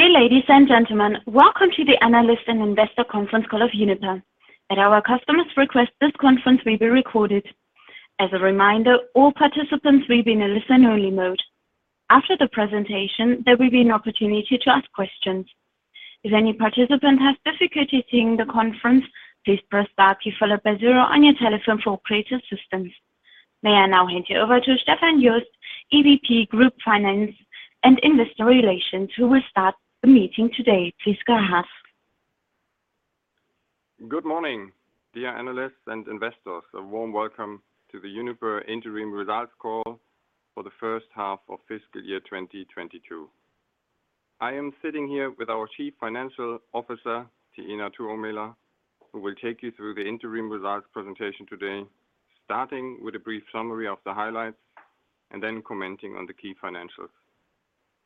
Dear ladies and gentlemen, welcome to the Analyst and Investor Conference Call of Uniper. At our customer's request, this conference will be recorded. As a reminder, all participants will be in a listen-only mode. After the presentation, there will be an opportunity to ask questions. If any participant has difficulty hearing the conference, please press star key followed by zero on your telephone for operator assistance. May I now hand you over to Stefan Jost, EVP Group Finance and Investor Relations, who will start the meeting today. Please go ahead. Good morning, dear Analysts and Investors. A warm welcome to the Uniper Interim Results Call for the first half of fiscal year 2022. I am sitting here with our Chief Financial Officer, Tiina Tuomela, who will take you through the interim results presentation today, starting with a brief summary of the highlights and then commenting on the key financials.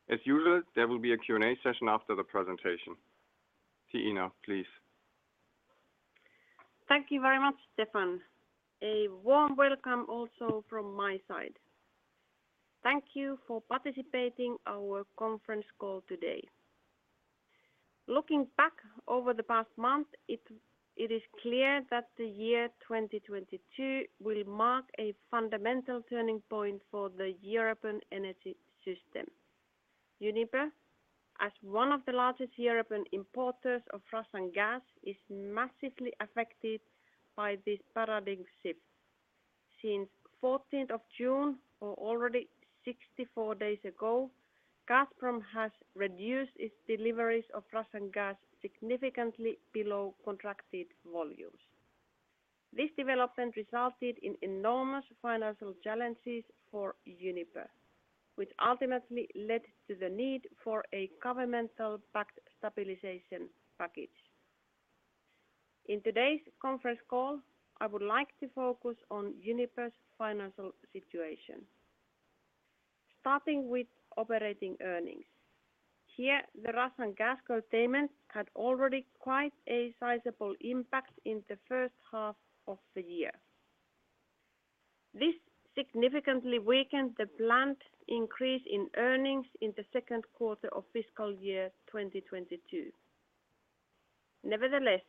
As usual, there will be a Q&A session after the presentation. Tiina, please. Thank you very much, Stefan. A warm welcome also from my side. Thank you for participating in our conference call today. Looking back over the past month, it is clear that the year 2022 will mark a fundamental turning point for the European energy system. Uniper, as one of the largest European importers of Russian gas, is massively affected by this paradigm shift. Since 14th of June or already 64 days ago, Gazprom has reduced its deliveries of Russian gas significantly below contracted volumes. This development resulted in enormous financial challenges for Uniper, which ultimately led to the need for a government-backed stabilization package. In today's conference call, I would like to focus on Uniper's financial situation. Starting with operating earnings. Here, the Russian gas containment had already quite a sizable impact in the first half of the year. This significantly weakened the planned increase in earnings in the second quarter of fiscal year 2022. Nevertheless,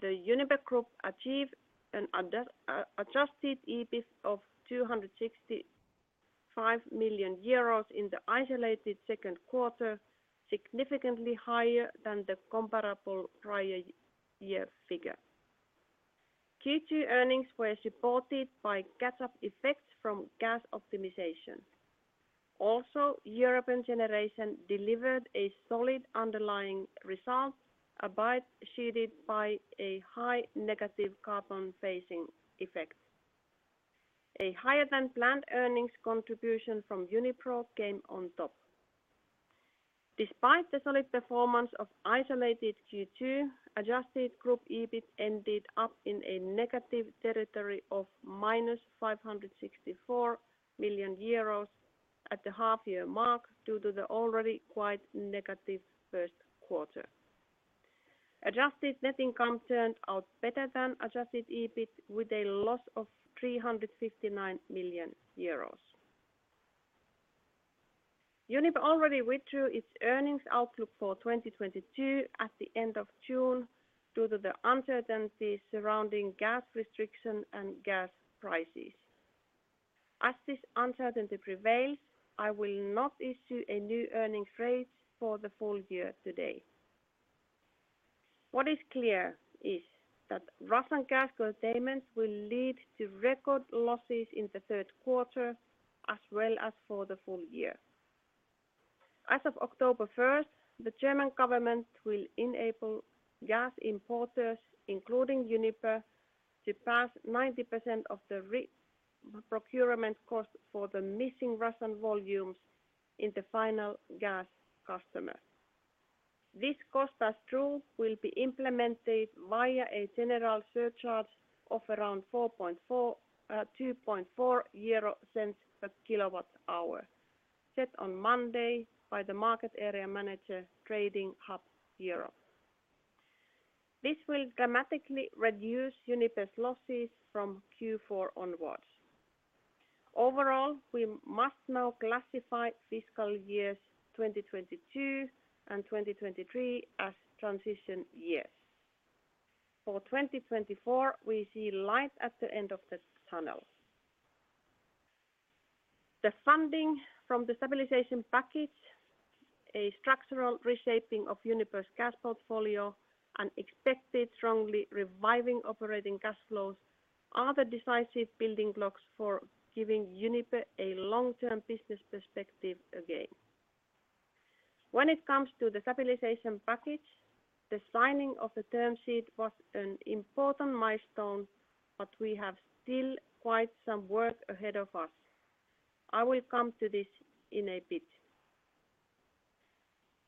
the Uniper group achieved an Adjusted EBIT of 265 million euros in the isolated second quarter, significantly higher than the comparable prior year figure. Q2 earnings were supported by catch-up effects from gas optimization. Also, European Generation delivered a solid underlying result, albeit shaded by a high negative carbon phasing effect. A higher than planned earnings contribution from Unipro came on top. Despite the solid performance of isolated Q2, adjusted group EBIT ended up in a negative territory of -564 million euros at the half year mark due to the already quite negative first quarter. Adjusted Net Income turned out better than Adjusted EBIT, with a loss of 359 million euros. Uniper already withdrew its earnings outlook for 2022 at the end of June due to the uncertainty surrounding gas restriction and gas prices. This uncertainty prevails. I will not issue a new earnings outlook for the full year today. What is clear is that Russian gas constraint will lead to record losses in the third quarter as well as for the full year. As of October 1st, the German government will enable gas importers, including Uniper, to pass 90% of the replacement procurement cost for the missing Russian volumes to the final gas customer. This cost, as such, will be implemented via a general surcharge of around 4.4 euro, 0.024 per kWh, set on Monday by the market area manager, Trading Hub Europe. This will dramatically reduce Uniper's losses from Q4 onwards. Overall, we must now classify fiscal years 2022 and 2023 as transition years. For 2024, we see light at the end of the tunnel. The funding from the stabilization package, a structural reshaping of Uniper's gas portfolio, and expected strongly reviving operating cash flows are the decisive building blocks for giving Uniper a long-term business perspective again. When it comes to the stabilization package, the signing of the term sheet was an important milestone, but we have still quite some work ahead of us. I will come to this in a bit.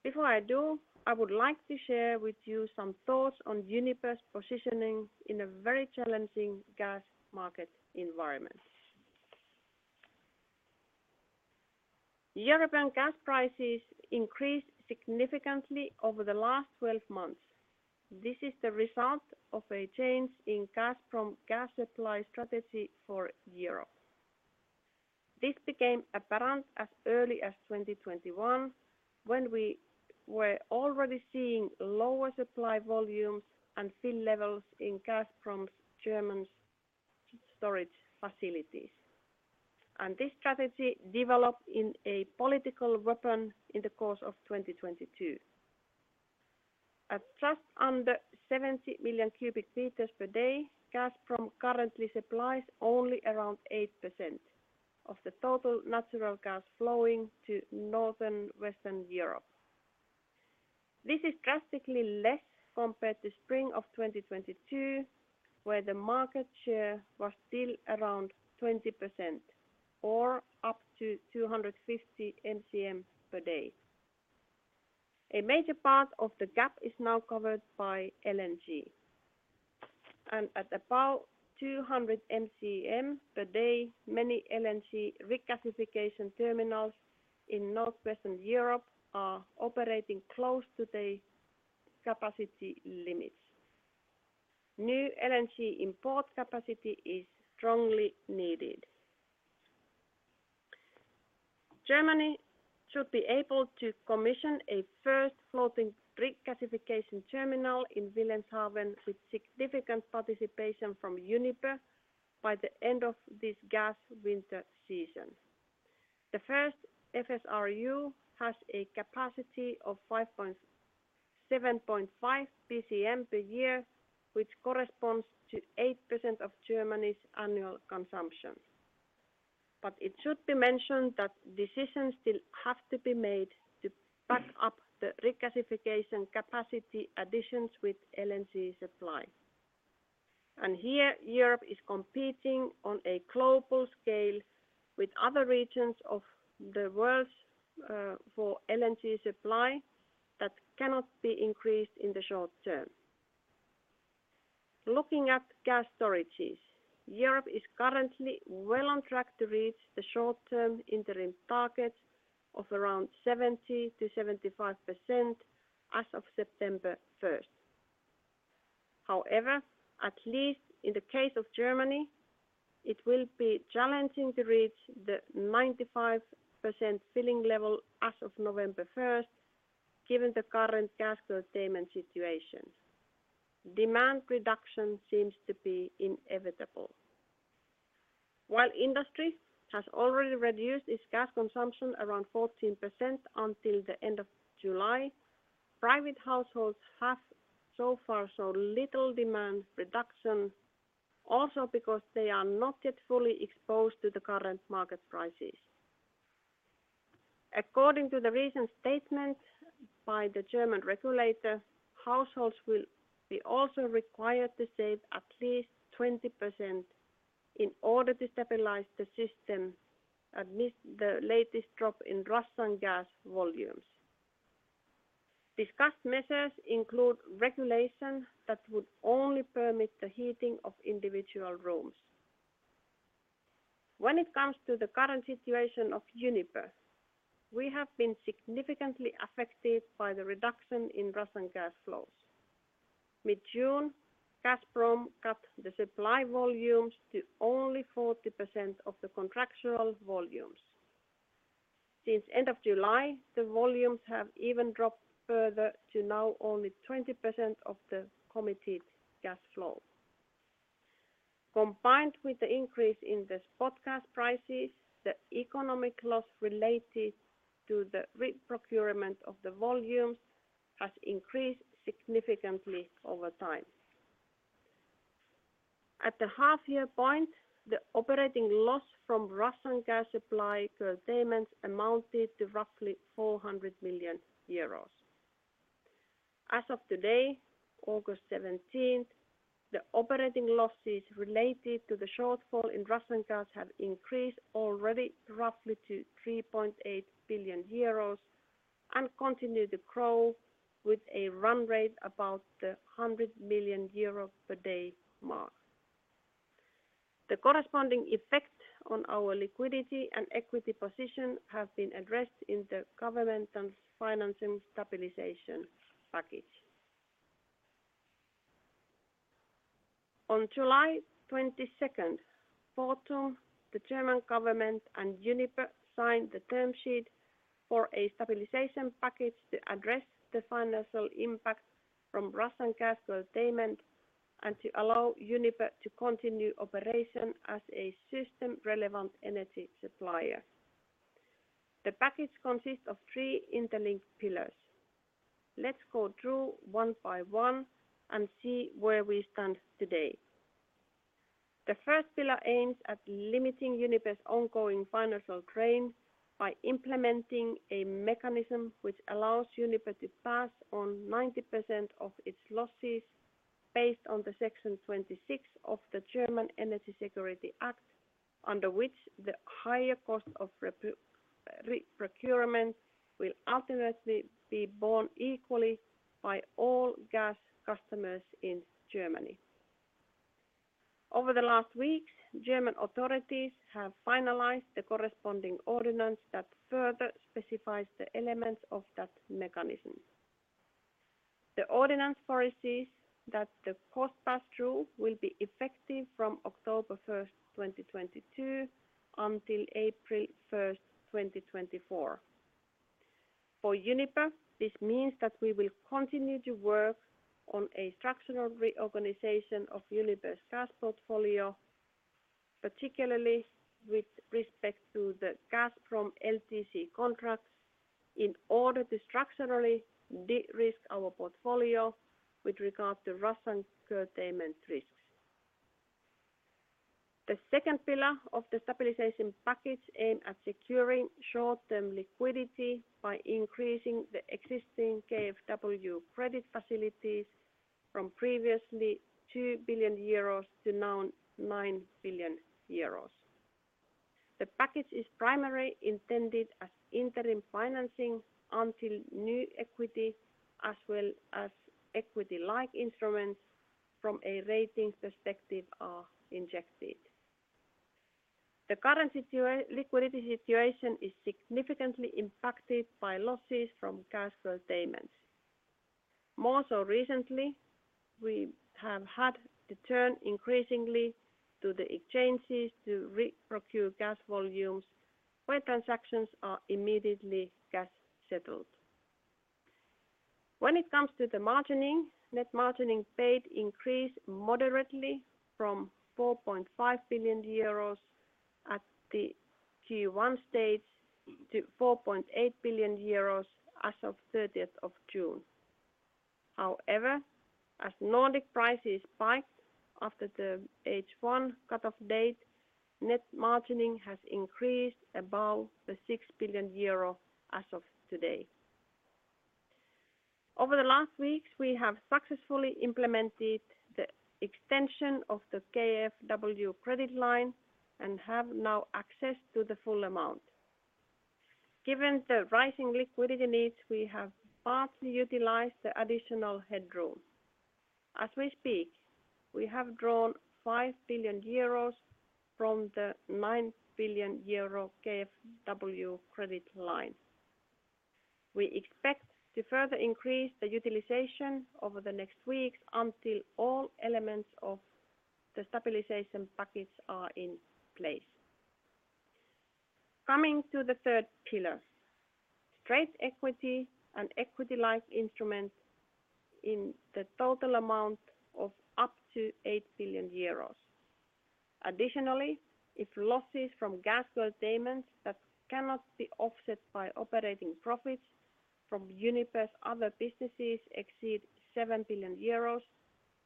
Before I do, I would like to share with you some thoughts on Uniper's positioning in a very challenging gas market environment. European gas prices increased significantly over the last 12 months. This is the result of a change in Gazprom gas supply strategy for Europe. This became apparent as early as 2021 when we were already seeing lower supply volumes and fill levels in Gazprom's German storage facilities. This strategy developed into a political weapon in the course of 2022. At just under 70 million cubic meters per day, Gazprom currently supplies only around 8% of the total natural gas flowing to Northwestern Europe. This is drastically less compared to spring of 2022, where the market share was still around 20% or up to 250 MCM per day. A major part of the gap is now covered by LNG. At about 200 MCM per day, many LNG regasification terminals in Northwestern Europe are operating close to their capacity limits. New LNG import capacity is strongly needed. Germany should be able to commission a first floating regasification terminal in Wilhelmshaven with significant participation from Uniper by the end of this gas winter season. The first FSRU has a capacity of 7.5 BCM per year, which corresponds to 8% of Germany's annual consumption. It should be mentioned that decisions still have to be made to back up the regasification capacity additions with LNG supply. Here, Europe is competing on a global scale with other regions of the world for LNG supply that cannot be increased in the short term. Looking at gas storages, Europe is currently well on track to reach the short-term interim target of around 70%-75% as of September first. However, at least in the case of Germany, it will be challenging to reach the 95% filling level as of November 1st, given the current gas curtailment situation. Demand reduction seems to be inevitable. While industry has already reduced its gas consumption around 14% until the end of July, private households have so far saw little demand reduction, also because they are not yet fully exposed to the current market prices. According to the recent statement by the German regulator, households will be also required to save at least 20% in order to stabilize the system amidst the latest drop in Russian gas volumes. Discussed measures include regulation that would only permit the heating of individual rooms. When it comes to the current situation of Uniper, we have been significantly affected by the reduction in Russian gas flows. Mid-June, Gazprom cut the supply volumes to only 40% of the contractual volumes. Since end of July, the volumes have even dropped further to now only 20% of the committed gas flow. Combined with the increase in the spot gas prices, the economic loss related to the reprocurement of the volumes has increased significantly over time. At the half-year point, the operating loss from Russian gas supply curtailments amounted to roughly 400 million euros. As of today, August 17th, the operating losses related to the shortfall in Russian gas have increased already roughly to 3.8 billion euros and continue to grow with a run rate about 100 million euro per day mark. The corresponding effect on our liquidity and equity position have been addressed in the governmental financing stabilization package. On July 22nd, 2024, the German government and Uniper signed the term sheet for a stabilization package to address the financial impact from Russian gas curtailment and to allow Uniper to continue operation as a system-relevant energy supplier. The package consists of three interlinked pillars. Let's go through one-by-one and see where we stand today. The first pillar aims at limiting Uniper's ongoing financial drain by implementing a mechanism which allows Uniper to pass on 90% of its losses based on the Section 26 of the German Energy Security Act, under which the higher cost of reprocurement will ultimately be borne equally by all gas customers in Germany. Over the last weeks, German authorities have finalized the corresponding ordinance that further specifies the elements of that mechanism. The ordinance provides that the cost pass-through rule will be effective from October 1st, 2022 until April 1st, 2024. For Uniper, this means that we will continue to work on a structural reorganization of Uniper's gas portfolio, particularly with respect to the Gazprom LTC contracts, in order to structurally de-risk our portfolio with regard to Russian curtailment risks. The second pillar of the stabilization package aimed at securing short-term liquidity by increasing the existing KfW credit facilities from previously 2 billion euros to now 9 billion euros. The package is primarily intended as interim financing until new equity as well as equity-like instruments from a rating perspective are injected. The current liquidity situation is significantly impacted by losses from gas curtailments. More so recently, we have had to turn increasingly to the exchanges to reprocure gas volumes where transactions are immediately cash settled. When it comes to the margining, net margining paid increased moderately from 4.5 billion euros at the Q1 stage to 4.8 billion euros as of June 30. However, as Nordic prices spiked after the H1 cut-off date, net margining has increased above 6 billion euro as of today. Over the last weeks, we have successfully implemented the extension of the KfW credit line and have now access to the full amount. Given the rising liquidity needs, we have partly utilized the additional headroom. As we speak, we have drawn 5 billion euros from the 9 billion euro KfW credit line. We expect to further increase the utilization over the next weeks until all elements of the stabilization package are in place. Coming to the third pillar, straight equity and equity-like instruments in the total amount of up to 8 billion euros. Additionally, if losses from gas curtailments that cannot be offset by operating profits from Uniper's other businesses exceed 7 billion euros,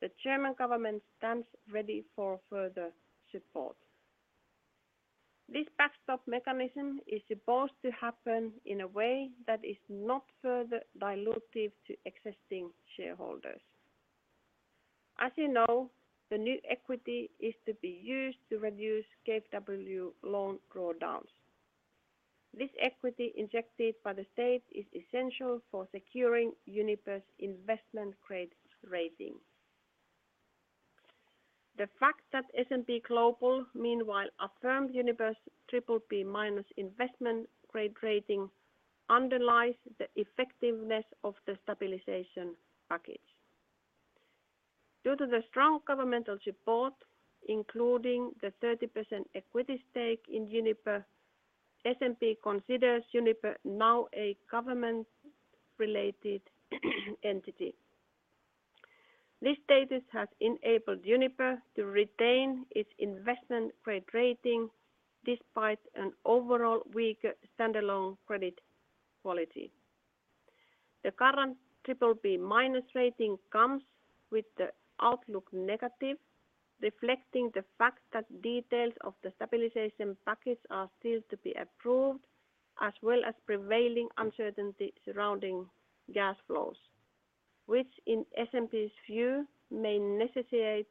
the German government stands ready for further support. This backstop mechanism is supposed to happen in a way that is not further dilutive to existing shareholders. As you know, the new equity is to be used to reduce KfW loan drawdowns. This equity injected by the state is essential for securing Uniper's investment grade rating. The fact that S&P Global meanwhile affirmed Uniper's BBB- investment grade rating underlies the effectiveness of the stabilization package. Due to the strong governmental support, including the 30% equity stake in Uniper, S&P considers Uniper now a government-related entity. This status has enabled Uniper to retain its investment grade rating despite an overall weaker standalone credit quality. The current triple B minus rating comes with the outlook negative, reflecting the fact that details of the stabilization package are still to be approved, as well as prevailing uncertainty surrounding gas flows, which in S&P's view may necessitate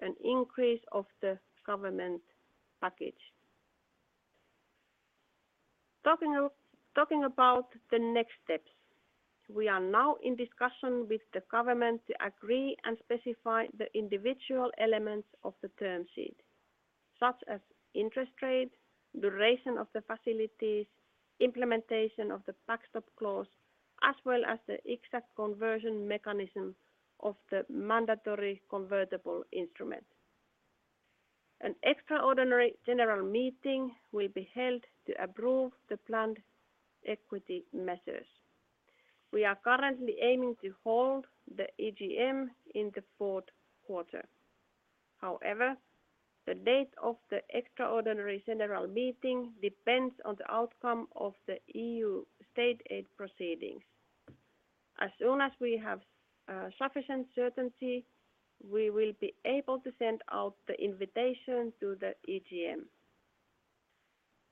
an increase of the government package. Talking about the next steps, we are now in discussion with the government to agree and specify the individual elements of the term sheet, such as interest rate, duration of the facilities, implementation of the backstop clause, as well as the exact conversion mechanism of the mandatory convertible instrument. An extraordinary general meeting will be held to approve the planned equity measures. We are currently aiming to hold the EGM in the fourth quarter. However, the date of the extraordinary general meeting depends on the outcome of the EU state aid proceedings. As soon as we have sufficient certainty, we will be able to send out the invitation to the EGM.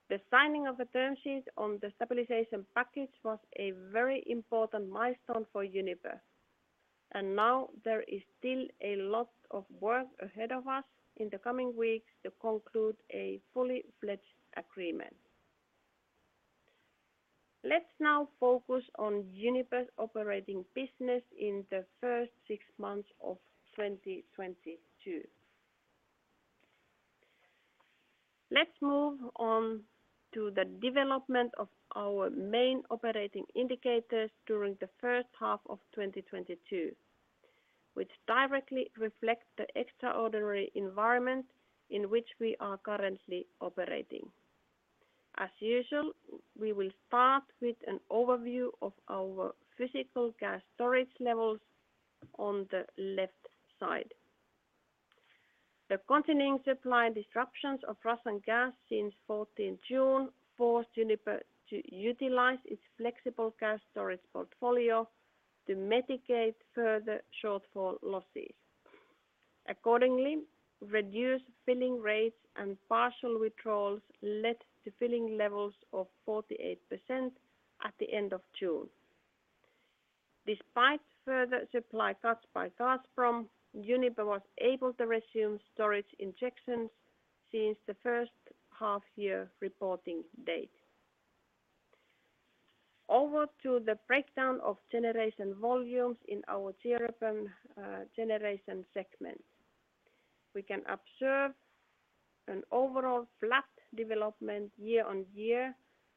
The signing of the term sheet on the stabilization package was a very important milestone for Uniper, and now there is still a lot of work ahead of us in the coming weeks to conclude a fully-fledged agreement. Let's now focus on Uniper's operating business in the first six months of 2022. Let's move on to the development of our main operating indicators during the first half of 2022, which directly reflect the extraordinary environment in which we are currently operating. As usual, we will start with an overview of our physical gas storage levels on the left side. The continuing supply disruptions of Russian gas since 14 June forced Uniper to utilize its flexible gas storage portfolio to mitigate further shortfall losses. Accordingly, reduced filling rates and partial withdrawals led to filling levels of 48% at the end of June. Despite further supply cuts by Gazprom, Uniper was able to resume storage injections since the first half year reporting date. Over to the breakdown of generation volumes in our European Generation segment. We can observe an overall flat development year-on-year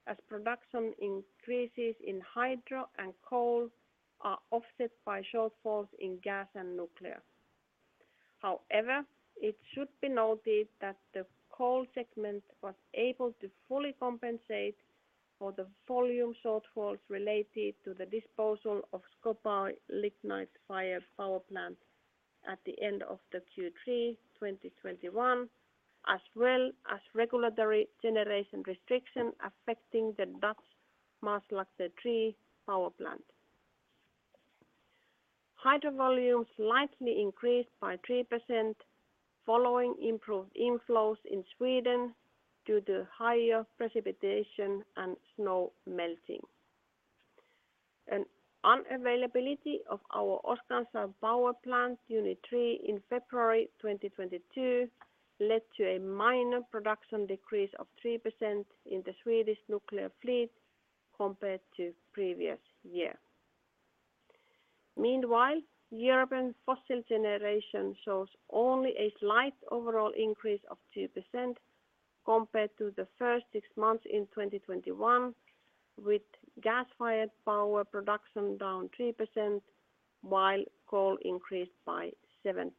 as production increases in Hydro and coal are offset by shortfalls in gas and nuclear. However, it should be noted that the coal segment was able to fully compensate for the volume shortfalls related to the disposal of Schkopau lignite-fired power plant at the end of the Q3 2021, as well as regulatory generation restriction affecting the Dutch Maasvlakte 3 power plant. Hydro volume slightly increased by 3% following improved inflows in Sweden due to higher precipitation and snow melting. An unavailability of our Oskarshamn power plant unit 3 in February 2022 led to a minor production decrease of 3% in the Swedish nuclear fleet compared to previous year. Meanwhile, European fossil generation shows only a slight overall increase of 2% compared to the first six months in 2021, with gas-fired power production down 3%, while coal increased by 7%.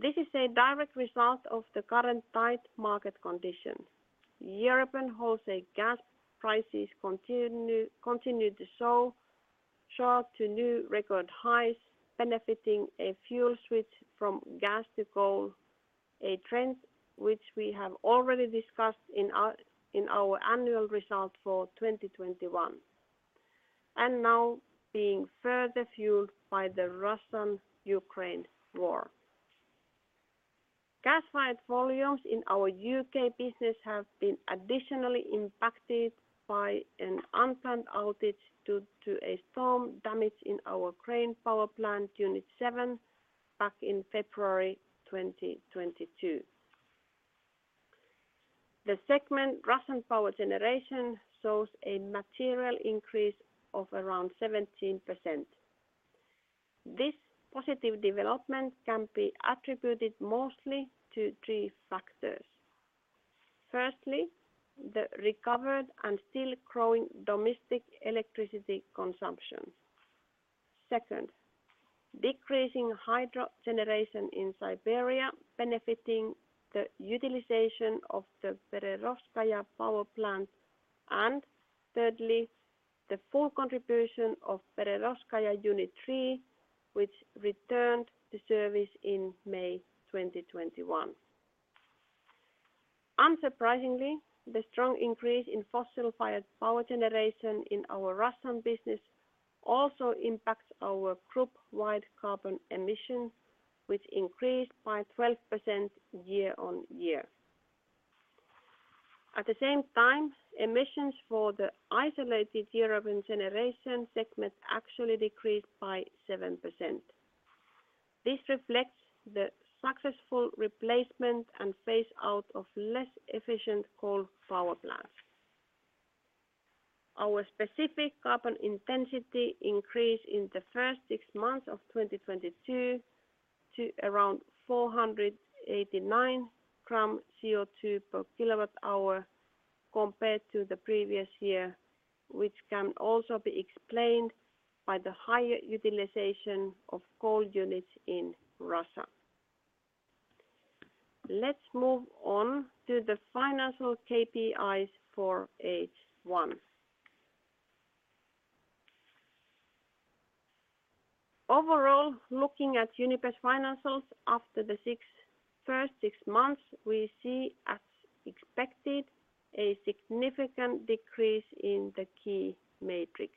This is a direct result of the current tight market condition. European wholesale gas prices continue to surge to new record highs benefiting a fuel switch from gas to coal, a trend which we have already discussed in our annual result for 2021, and now being further fueled by the Russo-Ukrainian war. Gas-fired volumes in our U.K. business have been additionally impacted by an unplanned outage due to a storm damage in our Grain power plant unit 7 back in February 2022. The segment Russian Power Generation shows a material increase of around 17%. This positive development can be attributed mostly to three factors. Firstly, the recovered and still growing domestic electricity consumption. Second, decreasing Hydro generation in Siberia benefiting the utilization of the Berezovskaya power plant. Thirdly, the full contribution of Berezovskaya unit 3, which returned to service in May 2021. Unsurprisingly, the strong increase in fossil-fired power generation in our Russian business also impacts our group-wide carbon emissions, which increased by 12% year-on-year. At the same time, emissions for the isolated European Generation segment actually decreased by 7%. This reflects the successful replacement and phase out of less efficient coal power plants. Our specific carbon intensity increased in the first six months of 2022 to around 489 grams CO2 per kWh compared to the previous year, which can also be explained by the higher utilization of coal units in Russia. Let's move on to the financial KPIs for H1. Overall, looking at Uniper's financials after the first six months, we see, as expected, a significant decrease in the key metrics.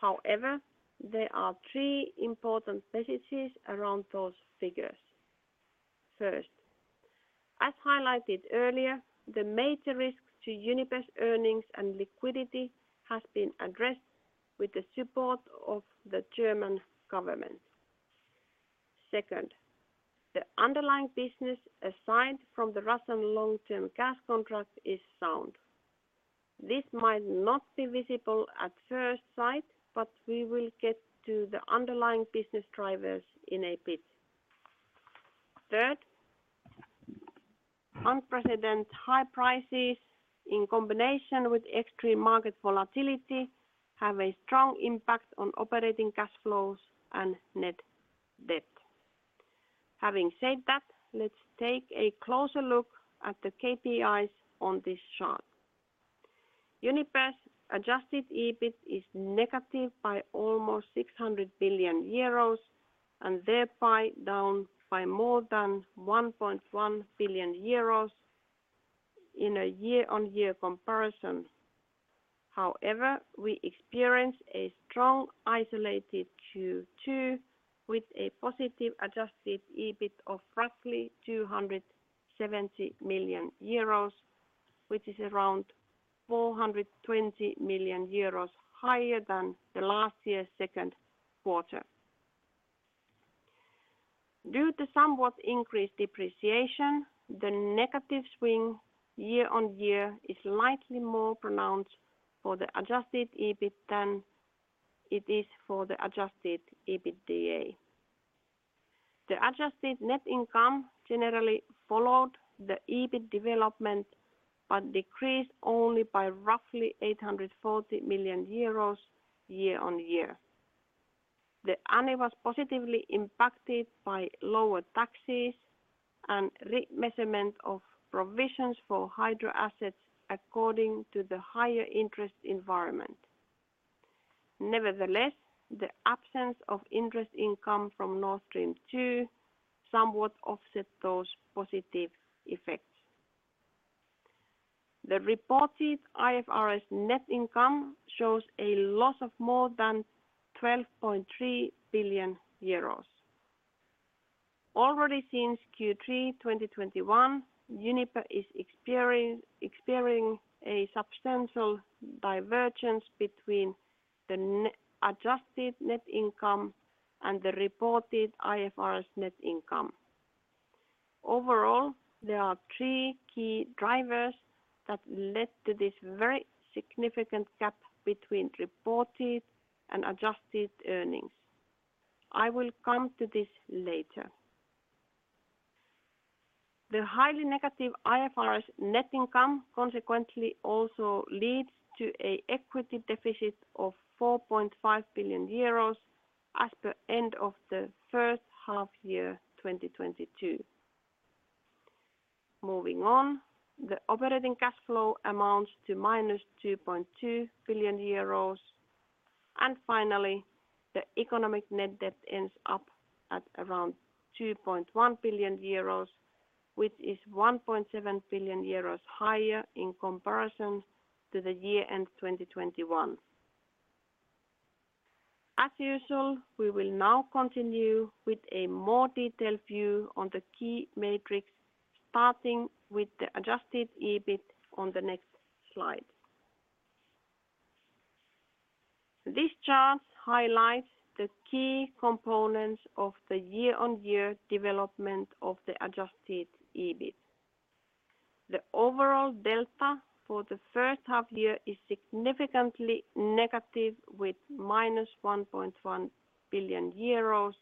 However, there are three important messages around those figures. First, as highlighted earlier, the major risks to Uniper's earnings and liquidity has been addressed with the support of the German government. Second, the underlying business arising from the Russian long-term gas contract is sound. This might not be visible at first sight, but we will get to the underlying business drivers in a bit. Third, unprecedented high prices in combination with extreme market volatility have a strong impact on operating cash flows and net debt. Having said that, let's take a closer look at the KPIs on this chart. Uniper's Adjusted EBIT is negative by almost 600 billion euros, and thereby down by more than 1.1 billion euros in a year-on-year comparison. However, we experienced a strong isolated Q2 with a positive Adjusted EBIT of roughly 270 million euros, which is around 420 million euros higher than the last year's second quarter. Due to somewhat increased depreciation, the negative swing year-on-year is slightly more pronounced for the Adjusted EBIT than it is for the Adjusted EBITda. The Adjusted Net Income generally followed the EBIT development but decreased only by roughly 840 million euros year-on-year. The ANI was positively impacted by lower taxes and re-measurement of provisions for Hydro assets according to the higher interest environment. Nevertheless, the absence of interest income from Nord Stream 2 somewhat offset those positive effects. The reported IFRS net income shows a loss of more than 12.3 billion euros. Already since Q3 2021, Uniper is experiencing a substantial divergence between the Adjusted Net Income and the reported IFRS net income. Overall, there are three key drivers that led to this very significant gap between reported and adjusted earnings. I will come to this later. The highly negative IFRS net income consequently also leads to an equity deficit of 4.5 billion euros as per end of the first half year, 2022. Moving on, the operating cash flow amounts to -2.2 billion euros. Finally, the economic net debt ends up at around 2.1 billion euros, which is 1.7 billion euros higher in comparison to the year-end 2021. As usual, we will now continue with a more detailed view on the key metrics, starting with the Adjusted EBIT on the next slide. This chart highlights the key components of the year-on-year development of the Adjusted EBIT. The overall delta for the first half year is significantly negative with -1.1 billion euros.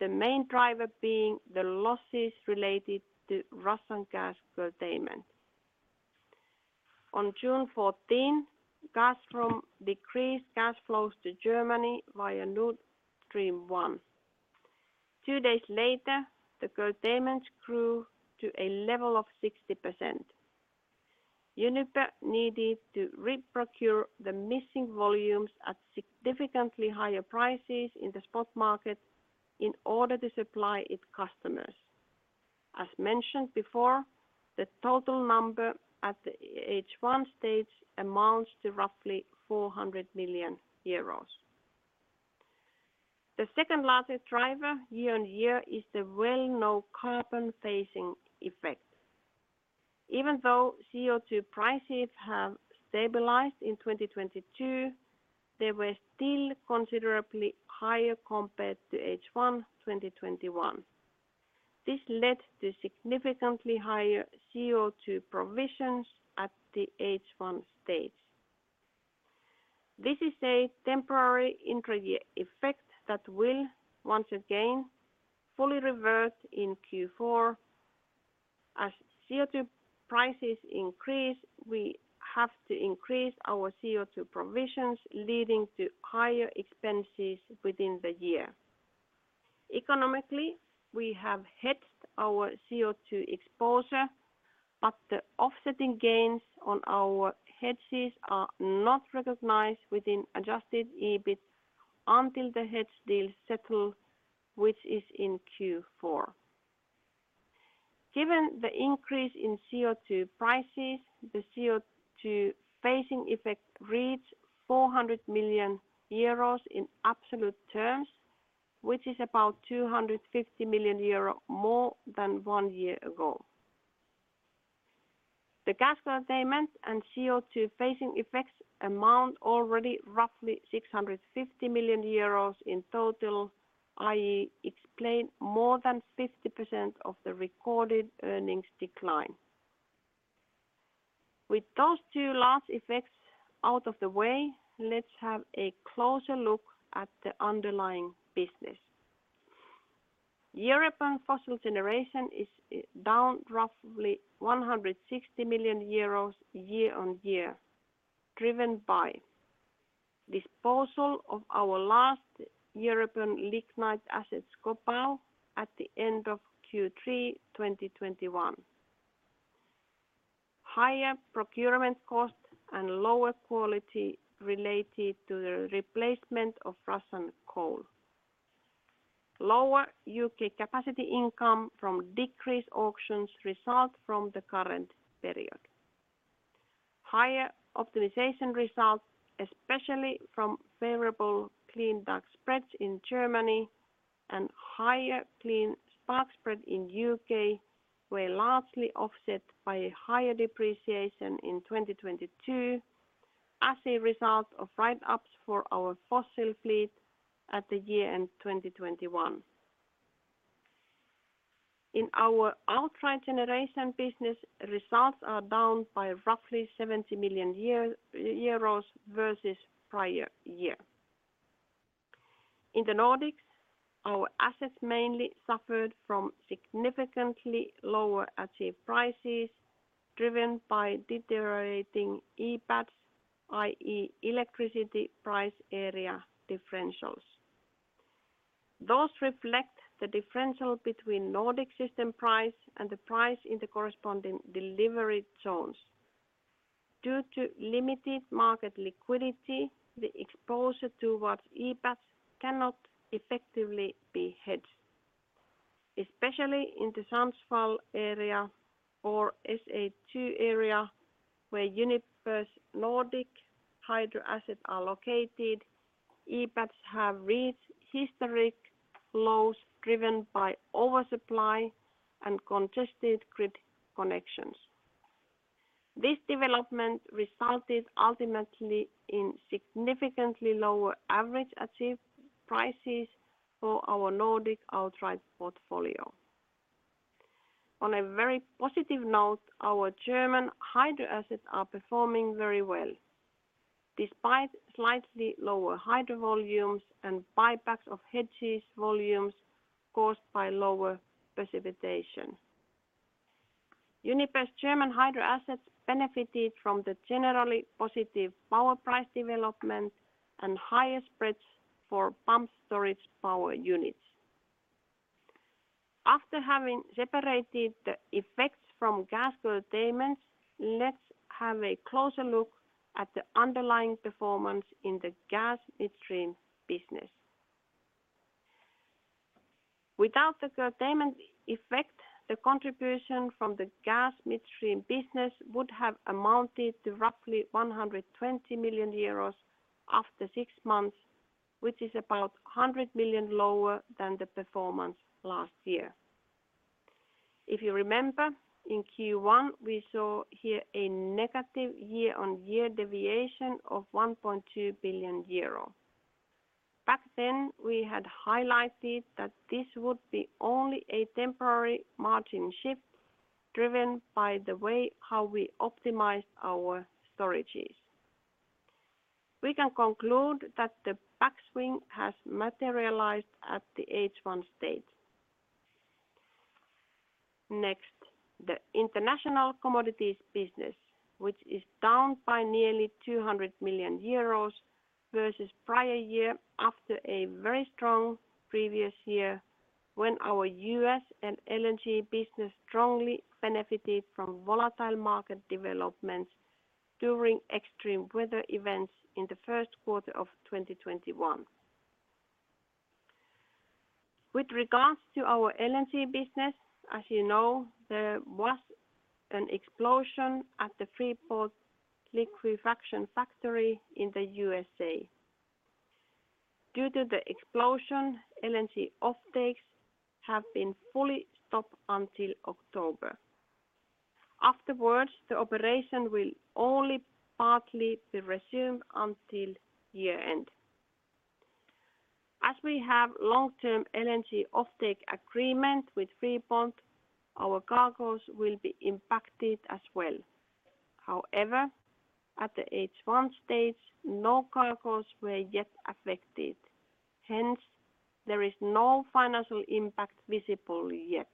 The main driver being the losses related to Russian gas curtailment. On June 14th, Gazprom decreased gas flows to Germany via Nord Stream 1. Two days later, the curtailments grew to a level of 60%. Uniper needed to re-procure the missing volumes at significantly higher prices in the spot market in order to supply its customers. As mentioned before, the total number at the H1 stage amounts to roughly 400 million euros. The second largest driver year-over-year is the well-known carbon phasing effect. Even though CO2 prices have stabilized in 2022, they were still considerably higher compared to H1 2021. This led to significantly higher CO2 provisions at the H1 stage. This is a temporary intra-year effect that will, once again, fully reverse in Q4. As CO2 prices increase, we have to increase our CO2 provisions, leading to higher expenses within the year. Economically, we have hedged our CO2 exposure, but the offsetting gains on our hedges are not recognized within Adjusted EBIT until the hedge deal settle, which is in Q4. Given the increase in CO2 prices, the CO2 phasing effect reached 400 million euros in absolute terms, which is about 250 million euro more than one year ago. The gas curtailment and CO2 phasing effects amount to already roughly 650 million euros in total. I explain more than 50% of the recorded earnings decline. With those two last effects out of the way, let's have a closer look at the underlying business. European fossil generation is down roughly 160 million euros year-on-year, driven by disposal of our last European lignite assets, Schkopau, at the end of Q3 2021. Higher procurement costs and lower quality related to the replacement of Russian coal. Lower U.K. capacity income from decreased auction results in the current period. Higher optimization results, especially from favorable clean dark spreads in Germany and higher clean spark spread in U.K., were largely offset by a higher depreciation in 2022 as a result of write-ups for our fossil fleet at the year-end 2021. In our outright generation business, results are down by roughly 70 million euros year-over-year versus prior year. In the Nordics, our assets mainly suffered from significantly lower achieved prices driven by deteriorating EPADs, i.e., Electricity Price Area Differentials. Those reflect the differential between Nordic system price and the price in the corresponding delivery zones. Due to limited market liquidity, the exposure towards EPADs cannot effectively be hedged. Especially in the Sandefjord area or SE2 area, where Uniper's Nordic Hydro assets are located, EPADs have reached historic lows driven by oversupply and contested grid connections. This development resulted ultimately in significantly lower average achieved prices for our Nordic outright portfolio. On a very positive note, our German Hydro assets are performing very well, despite slightly lower Hydro volumes and buybacks of hedged volumes caused by lower precipitation. Uniper's German Hydro assets benefited from the generally positive power price development and higher spreads for pumped storage power units. After having separated the effects from gas curtailments, let's have a closer look at the underlying performance in the gas midstream business. Without the curtailment effect, the contribution from the gas midstream business would have amounted to roughly 120 million euros after six months, which is about 100 million lower than the performance last year. If you remember, in Q1, we saw here a negative year-on-year deviation of 1.2 billion euro. Back then, we had highlighted that this would be only a temporary margin shift driven by the way how we optimize our storages. We can conclude that the backswing has materialized at the H1 stage. Next, the Global Commodities business, which is down by nearly 200 million euros versus prior year after a very strong previous year when our U.S. and LNG business strongly benefited from volatile market developments during extreme weather events in the first quarter of 2021. With regards to our LNG business, as you know, there was an explosion at the Freeport LNG liquefaction facility in the U.S. Due to the explosion, LNG offtakes have been fully stopped until October. Afterwards, the operation will only partly be resumed until year-end. As we have long-term LNG offtake agreement with Freeport LNG, our cargoes will be impacted as well. However, at the H1 stage, no cargoes were yet affected. Hence, there is no financial impact visible yet.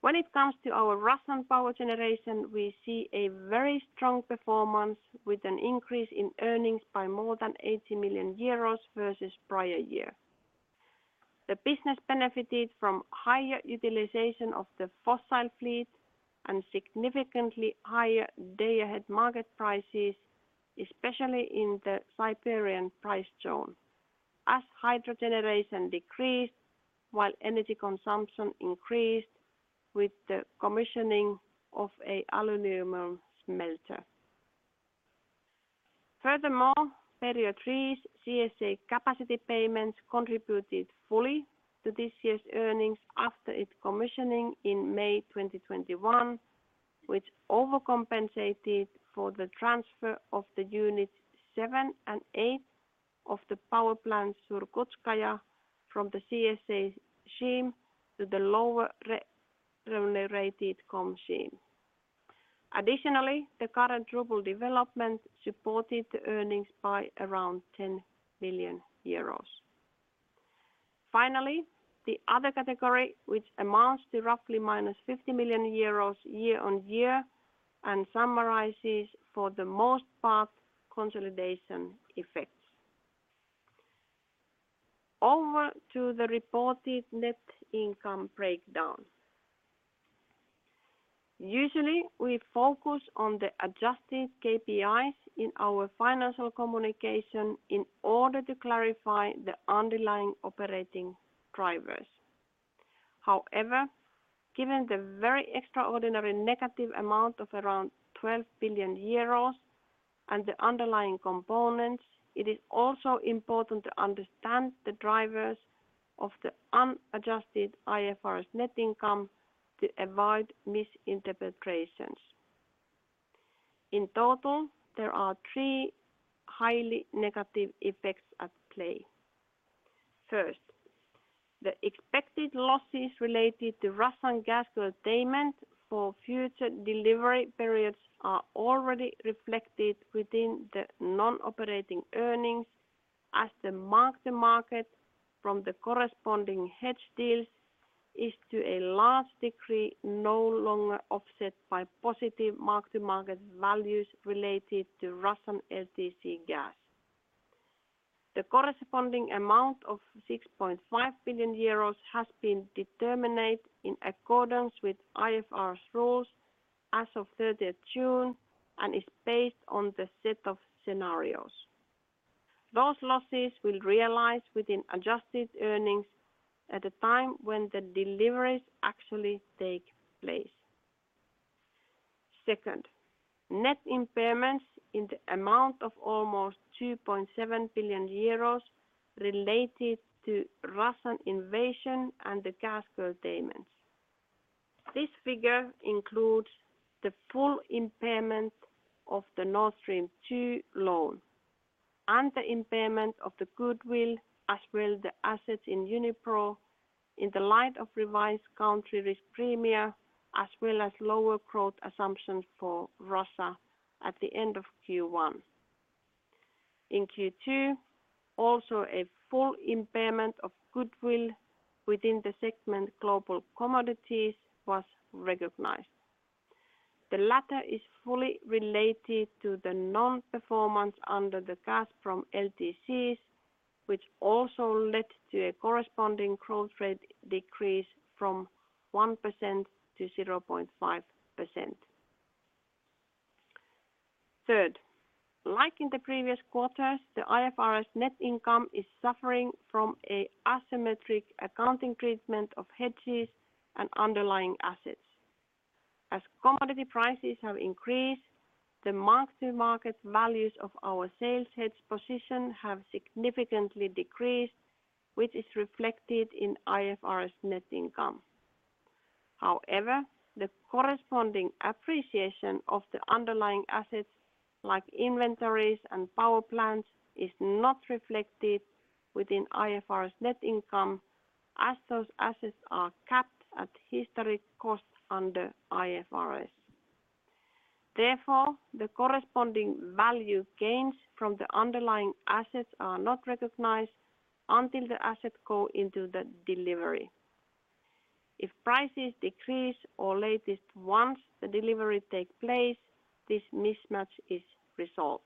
When it comes to our Russian Power Generation, we see a very strong performance with an increase in earnings by more than 80 million euros versus prior year. The business benefited from higher utilization of the fossil fleet and significantly higher day-ahead market prices, especially in the Siberian price zone, as Hydro generation decreased, while energy consumption increased with the commissioning of an aluminum smelter. Furthermore, [inaudible] 3's CSA capacity payments contributed fully to this year's earnings after its commissioning in May 2021, which overcompensated for the transfer of units 7 and 8 of the power plant Surgutskaya from the CSA scheme to the lower remunerated COM scheme. Additionally, the current ruble development supported the earnings by around 10 billion euros. Finally, the other category, which amounts to roughly -50 million euros year-on-year, and summarizes for the most part consolidation effects. Over to the reported net income breakdown. Usually, we focus on the adjusted KPIs in our financial communication in order to clarify the underlying operating drivers. However, given the very extraordinary negative amount of around 12 billion euros and the underlying components, it is also important to understand the drivers of the unadjusted IFRS net income to avoid misinterpretations. In total, there are three highly negative effects at play. First, the expected losses related to Russian gas curtailment for future delivery periods are already reflected within the non-operating earnings as the mark-to-market from the corresponding hedge deals is, to a large degree, no longer offset by positive mark-to-market values related to Russian LTC gas. The corresponding amount of 6.5 billion euros has been determined in accordance with IFRS rules as of 30 June and is based on the set of scenarios. Those losses will realize within adjusted earnings at the time when the deliveries actually take place. Second, net impairments in the amount of almost 2.7 billion euros related to Russian invasion and the gas curtailments. This figure includes the full impairment of the Nord Stream 2 loan and the impairment of the goodwill, as well as the assets in Uniper in the light of revised country risk premia, as well as lower growth assumptions for Russia at the end of Q1. In Q2, also a full impairment of goodwill within the segment Global Commodities was recognized. The latter is fully related to the non-performance under the gas from LTCs, which also led to a corresponding growth rate decrease from 1% to 0.5%. Third, like in the previous quarters, the IFRS net income is suffering from an asymmetric accounting treatment of hedges and underlying assets. As commodity prices have increased, the mark-to-market values of our sales hedge position have significantly decreased, which is reflected in IFRS net income. However, the corresponding appreciation of the underlying assets, like inventories and power plants, is not reflected within IFRS net income as those assets are capped at historical costs under IFRS. Therefore, the corresponding value gains from the underlying assets are not recognized until the assets go into the delivery. If prices decrease or at the latest once the delivery takes place, this mismatch is resolved.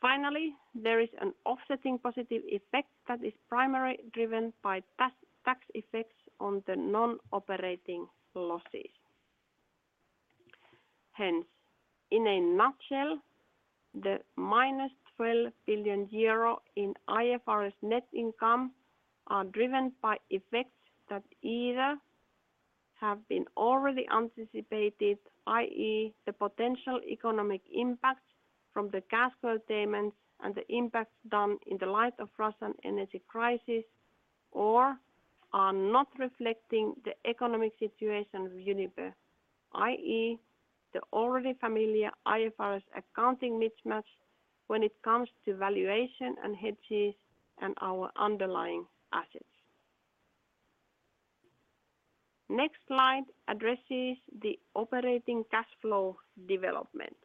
Finally, there is an offsetting positive effect that is primarily driven by tax effects on the non-operating losses. Hence, in a nutshell, the -12 billion euro in IFRS net income are driven by effects that either have been already anticipated, i.e., the potential economic impacts from the gas curtailments and the impacts done in the light of Russian energy crisis, or are not reflecting the economic situation of Uniper, i.e., the already familiar IFRS accounting mismatch when it comes to valuation and hedges and our underlying assets. Next slide addresses the operating cash flow development.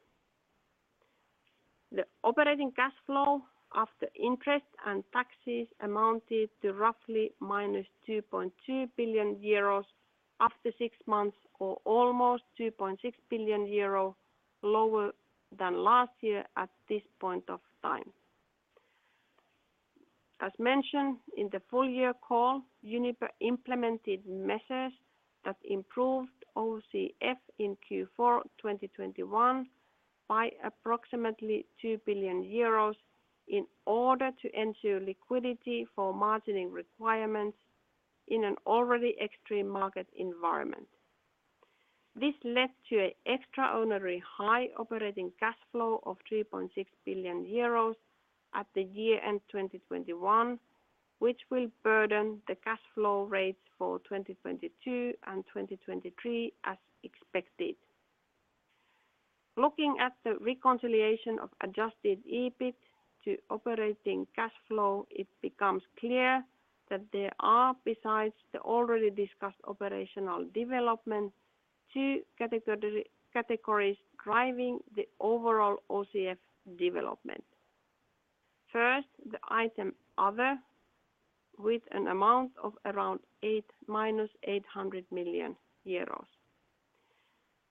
The operating cash flow after interest and taxes amounted to roughly -2.2 billion euros after six months or almost 2.6 billion euro lower than last year at this point of time. As mentioned in the full year call, Uniper implemented measures that improved OCF in Q4 2021 by approximately 2 billion euros in order to ensure liquidity for margining requirements in an already extreme market environment. This led to an extraordinary high operating cash flow of 3.6 billion euros. At the year end 2021, which will burden the cash flow rates for 2022 and 2023 as expected. Looking at the reconciliation of Adjusted EBIT to operating cash flow, it becomes clear that there are, besides the already discussed operational development, two categories driving the overall OCF development. First, the item other, with an amount of around -800 million euros.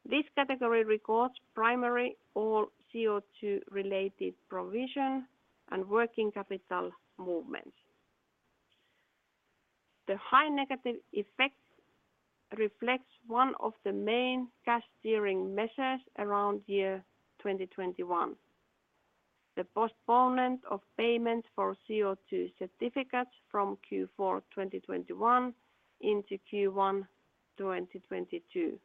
This category records primarily all CO2-related provision and working capital movements. The high negative effects reflect one of the main cash steering measures around year 2021, the postponement of payment for CO2 certificates from Q4 2021 into Q1 2022.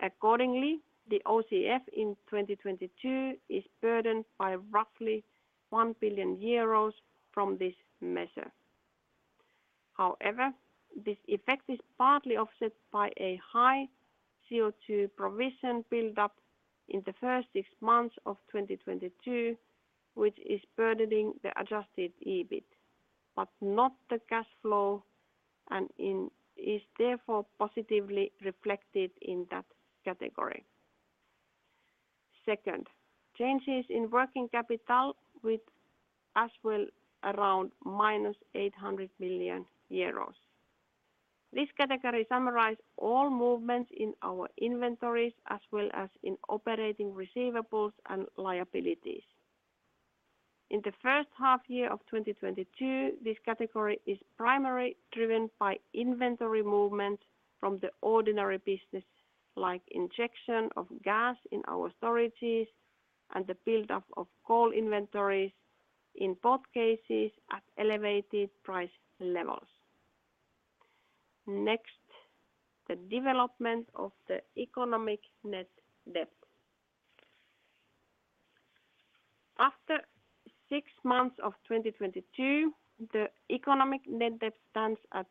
Accordingly, the OCF in 2022 is burdened by roughly 1 billion euros from this measure. However, this effect is partly offset by a high CO2 provision build-up in the first six months of 2022, which is burdening the Adjusted EBIT, but not the cash flow, and is therefore positively reflected in that category. Second, changes in working capital with as well around -800 million euros. This category summarize all movements in our inventories as well as in operating receivables and liabilities. In the first half year of 2022, this category is primarily driven by inventory movement from the ordinary business, like injection of gas in our storages and the build-up of coal inventories, in both cases, at elevated price levels. Next, the development of the economic net debt. After six months of 2022, the economic net debt stands at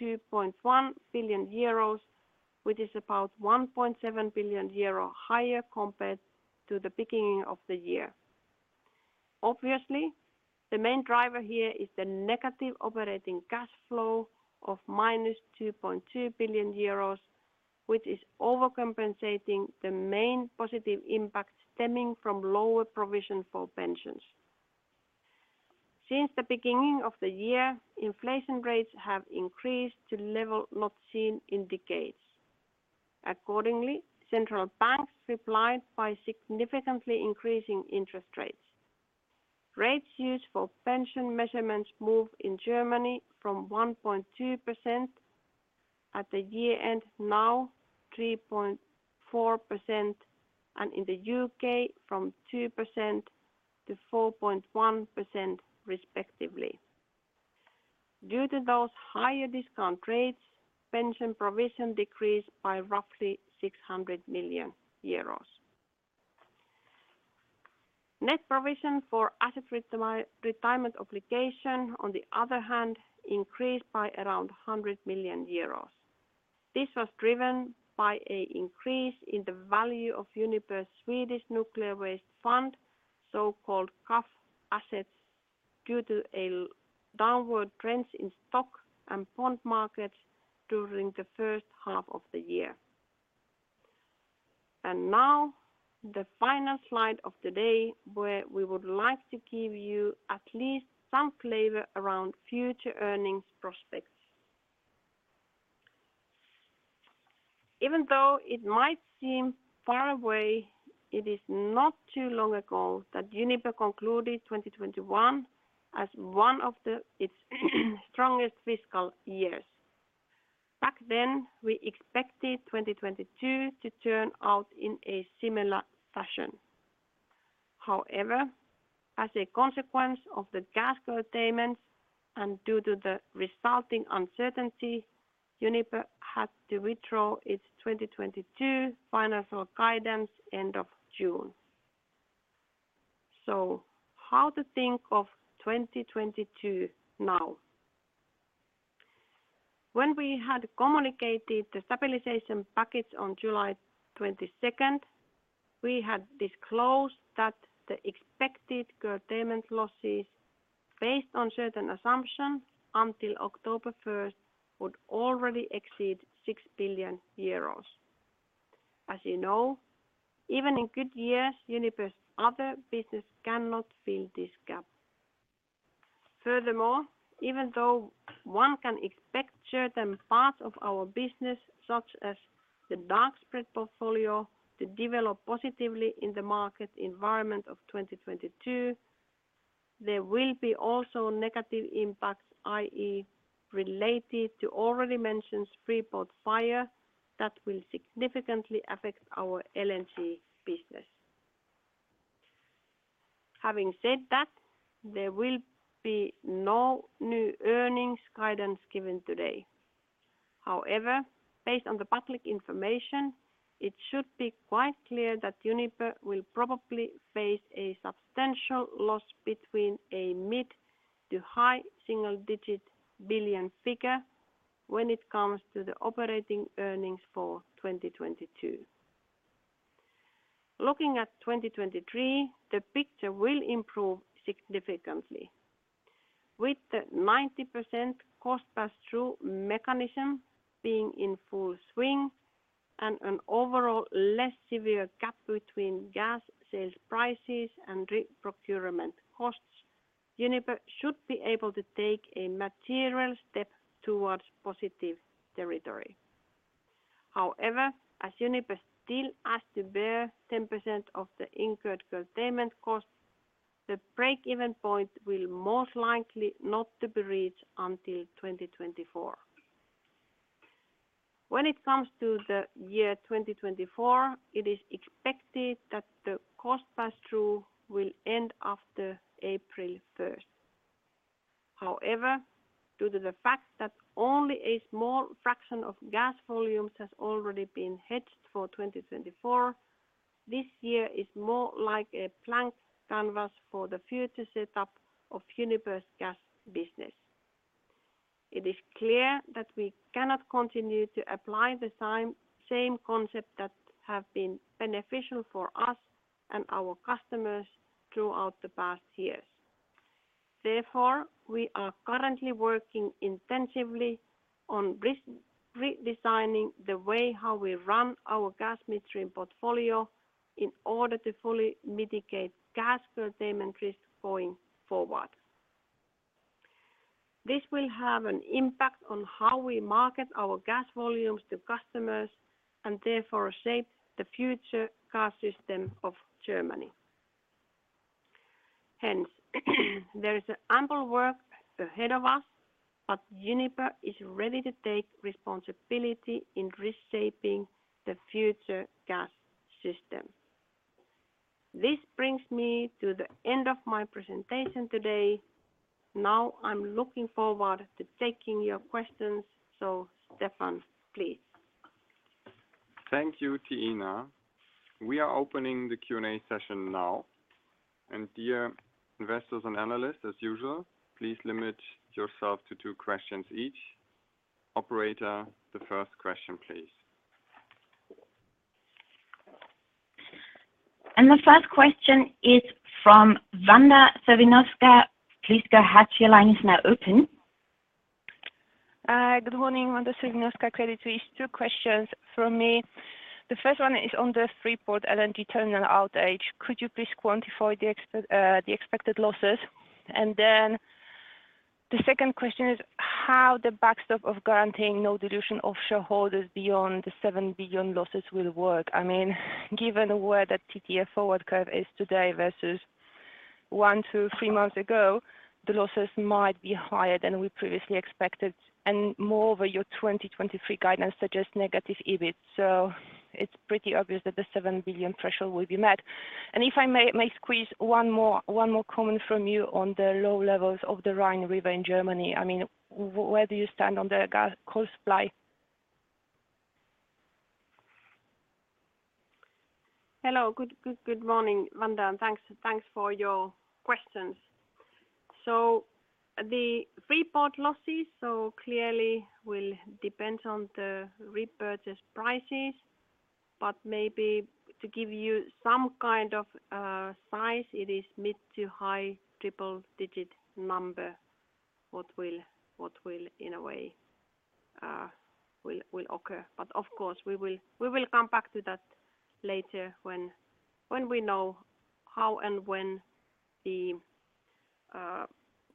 2.1 billion euros, which is about 1.7 billion euro higher compared to the beginning of the year. Obviously, the main driver here is the negative operating cash flow of -2.2 billion euros, which is overcompensating the main positive impact stemming from lower provision for pensions. Since the beginning of the year, inflation rates have increased to levels not seen in decades. Accordingly, central banks replied by significantly increasing interest rates. Rates used for pension measurements moved in Germany from 1.2% at the year end, now 3.4%, and in the U.K. from 2% to 4.1% respectively. Due to those higher discount rates, pension provision decreased by roughly 600 million euros. Net provision for asset retirement obligation, on the other hand, increased by around 100 million euros. This was driven by an increase in the value of Uniper's Swedish nuclear waste fund, so-called KAF assets, due to downward trends in stock and bond markets during the first half of the year. Now the final slide of the day, where we would like to give you at least some flavor around future earnings prospects. Even though it might seem far away, it is not too long ago that Uniper concluded 2021 as one of its strongest fiscal years. Back then, we expected 2022 to turn out in a similar fashion. However, as a consequence of the gas curtailments, and due to the resulting uncertainty, Uniper had to withdraw its 2022 financial guidance end of June. How to think of 2022 now? When we had communicated the stabilization package on July 22, we had disclosed that the expected curtailment losses based on certain assumptions until October 1 would already exceed 6 billion euros. As you know, even in good years, Uniper's other business cannot fill this gap. Furthermore, even though one can expect certain parts of our business, such as the dark spread portfolio, to develop positively in the market environment of 2022, there will be also negative impacts, i.e., related to already mentioned Freeport fire that will significantly affect our LNG business. Having said that, there will be no new earnings guidance given today. However, based on the public information, it should be quite clear that Uniper will probably face a substantial loss between a mid- to high-single-digit billion EUR figure when it comes to the operating earnings for 2022. Looking at 2023, the picture will improve significantly. With the 90% cost pass-through mechanism being in full swing and an overall less severe gap between gas sales prices and re-procurement costs, Uniper should be able to take a material step towards positive territory. However, as Uniper still has to bear 10% of the incurred containment costs, the break-even point will most likely not to be reached until 2024. When it comes to the year 2024, it is expected that the cost pass-through will end after April 1. However, due to the fact that only a small fraction of gas volumes has already been hedged for 2024, this year is more like a blank canvas for the future setup of Uniper's gas business. It is clear that we cannot continue to apply the same concept that have been beneficial for us and our customers throughout the past years. Therefore, we are currently working intensively on redesigning the way how we run our gas midstream portfolio in order to fully mitigate gas curtailment risk going forward. This will have an impact on how we market our gas volumes to customers and therefore shape the future gas system of Germany. Hence, there is ample work ahead of us, but Uniper is ready to take responsibility in reshaping the future gas system. This brings me to the end of my presentation today. Now I'm looking forward to taking your questions. Stefan, please? Thank you, Tiina. We are opening the Q&A session now. Dear investors and analysts, as usual, please limit yourself to two questions each. Operator, the first question, please. The first question is from Wanda Svinovska. Please go ahead. Your line is now open. Good morning. Wanda Svinovska, Credit Suisse. Two questions from me. The first one is on the Freeport LNG terminal outage. Could you please quantify the expected losses? Then the second question is, how the backstop of guaranteeing no dilution of shareholders beyond the 7 billion losses will work? I mean, given where the TTF forward curve is today versus one, two, three months ago, the losses might be higher than we previously expected. Moreover, your 2023 guidance suggests negative EBIT. It's pretty obvious that the 7 billion threshold will be met. If I may squeeze one more comment from you on the low levels of the Rhine River in Germany. I mean, where do you stand on the gas and coal supply? Hello. Good morning, Wanda, and thanks for your questions. The Freeport losses clearly will depend on the repurchase prices. Maybe to give you some kind of size, it is mid-to-high triple digit number, what will in a way will occur. Of course, we will come back to that later when we know how and when the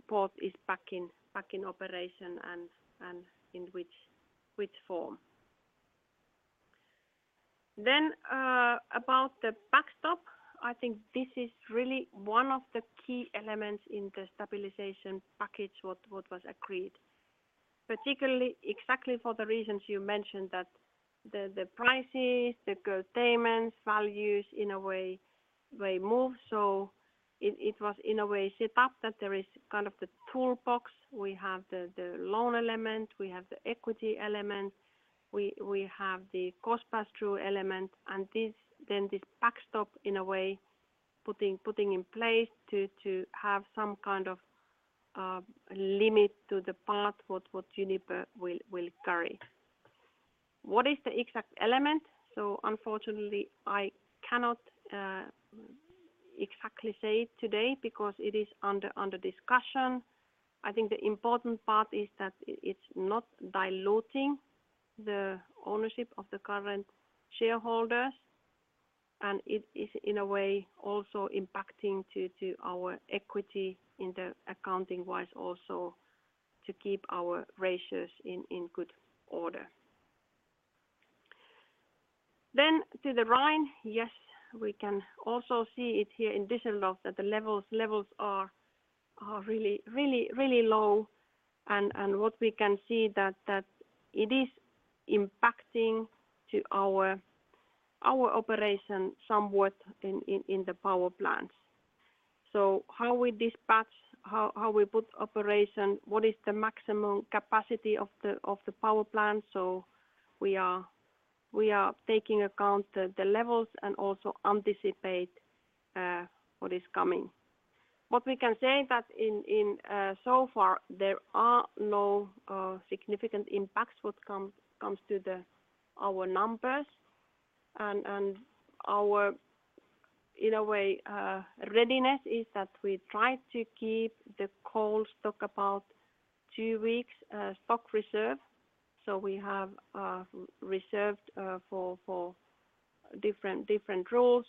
port is back in operation and in which form. About the backstop, I think this is really one of the key elements in the stabilization package what was agreed, particularly exactly for the reasons you mentioned, that the prices, the curtailments, values in a way move. It was in a way set up that there is kind of the toolbox. We have the loan element, we have the equity element, we have the cost pass-through element, and then this backstop in a way putting in place to have some kind of limit to the part what Uniper will carry. What is the exact element? Unfortunately, I cannot exactly say it today because it is under discussion. I think the important part is that it's not diluting the ownership of the current shareholders, and it is in a way also impacting to our equity in the accounting-wise also to keep our ratios in good order. To the Rhine, yes, we can also see it here in Düsseldorf that the levels are really low. What we can see that it is impacting to our operation somewhat in the power plants. How we dispatch, how we put operation, what is the maximum capacity of the power plant. We are taking account the levels and also anticipate what is coming. What we can say that in so far, there are no significant impacts what comes to our numbers and our in a way readiness is that we try to keep the coal stock about two weeks stock reserve. We have reserved for different roles.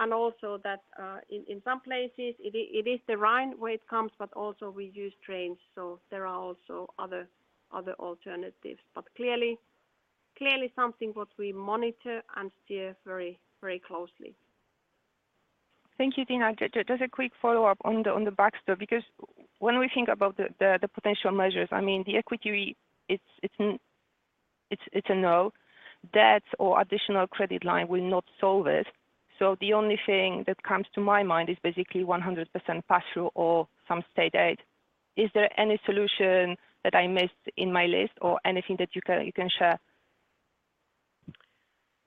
In some places it is the Rhine way it comes, but also we use trains, so there are also other alternatives. Clearly something what we monitor and steer very closely. Thank you, Tiina. Just a quick follow-up on the backstop, because when we think about the potential measures, I mean, the equity, it's a no. Debt or additional credit line will not solve it. The only thing that comes to my mind is basically 100% pass-through or some state aid. Is there any solution that I missed in my list or anything that you can share?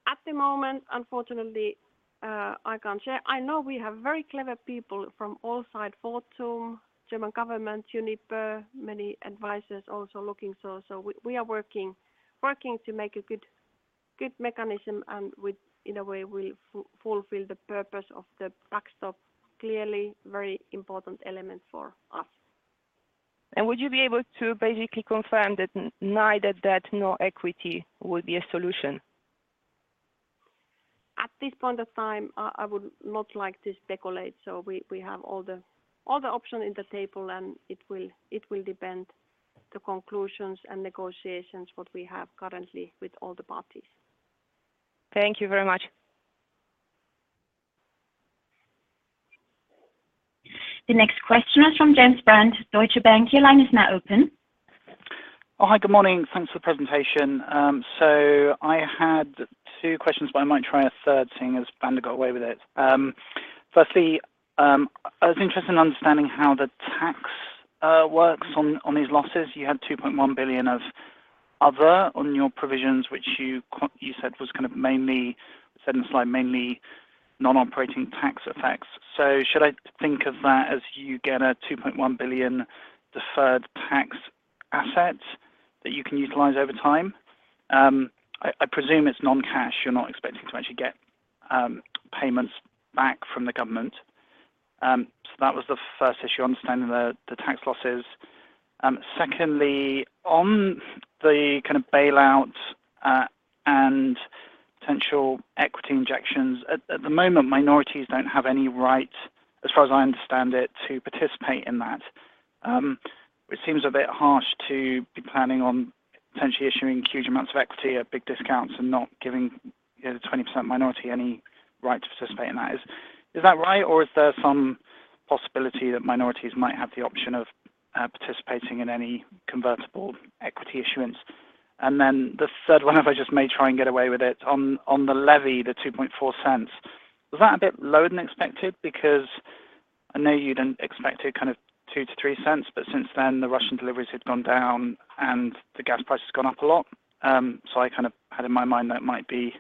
At the moment, unfortunately, I can't share. I know we have very clever people from all sides, Fortum, German government, Uniper, many advisors also looking. We are working to make a good mechanism and in a way will fulfill the purpose of the backstop, clearly very important element for us. Would you be able to basically confirm that neither debt nor equity would be a solution? At this point of time, I would not like to speculate. We have all the option in the table, and it will depend the conclusions and negotiations, what we have currently with all the parties. Thank you very much. The next question is from James Brand, Deutsche Bank. Your line is now open. Oh, hi. Good morning. Thanks for the presentation. I had two questions, but I might try a third, seeing as Panda got away with it. Firstly, I was interested in understanding how the tax works on these losses. You had 2.1 billion of other on your provisions, which you said was kind of mainly, you said in the slide, mainly non-operating tax effects. Should I think of that as you get a 2.1 billion deferred tax asset that you can utilize over time? I presume it's non-cash. You're not expecting to actually get payments back from the government. That was the first issue, understanding the tax losses. And secondly, on the kind of bailout and potential equity injections, at the moment, minorities don't have any right, as far as I understand it, to participate in that. It seems a bit harsh to be planning on potentially issuing huge amounts of equity at big discounts and not giving, you know, the 20% minority any right to participate in that. Is that right? Or is there some possibility that minorities might have the option of participating in any convertible equity issuance? Then the third one, if I just may try and get away with it, on the levy, the 0.024, was that a bit lower than expected? Because I know you'd expected kind of 0.02-0.03, but since then, the Russian deliveries had gone down and the gas price has gone up a lot. I kind of had in my mind that it might be,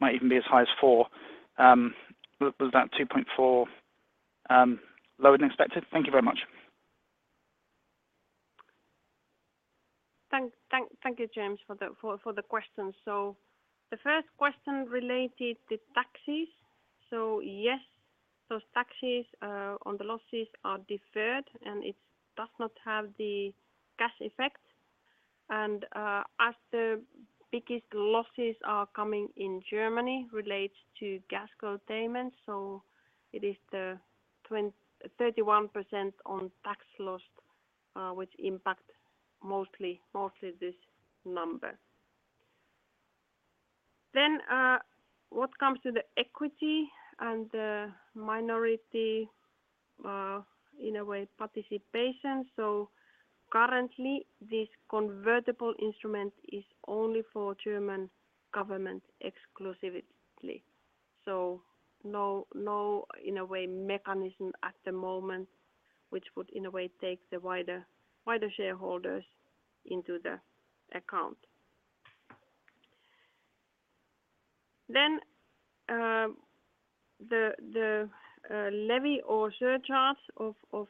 might even be as high as 4%. Was that 2.4% lower than expected? Thank you very much. Thank you, James, for the questions. The first question related to taxes. Yes, those taxes on the losses are deferred, and it does not have the cash effect. As the biggest losses are coming in Germany relates to gas curtailment, it is the 31% on tax loss, which impact mostly this number. What comes to the equity and the minority, in a way, participation. Currently, this convertible instrument is only for German government exclusively. No, in a way, mechanism at the moment, which would, in a way, take the wider shareholders into the account. The levy or surcharge of EUR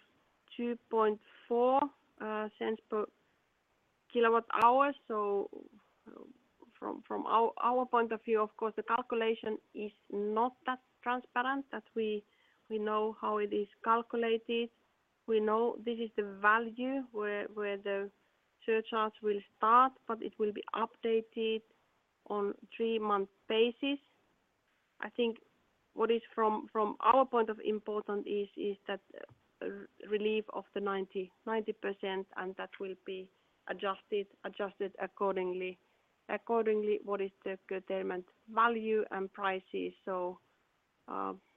0.024 per kWh. From our point of view, of course, the calculation is not that transparent that we know how it is calculated. We know this is the value where the surcharge will start, but it will be updated on three-month basis. I think what is from our point of importance is that relief of the 90%, and that will be adjusted accordingly what is the curtailment value and prices.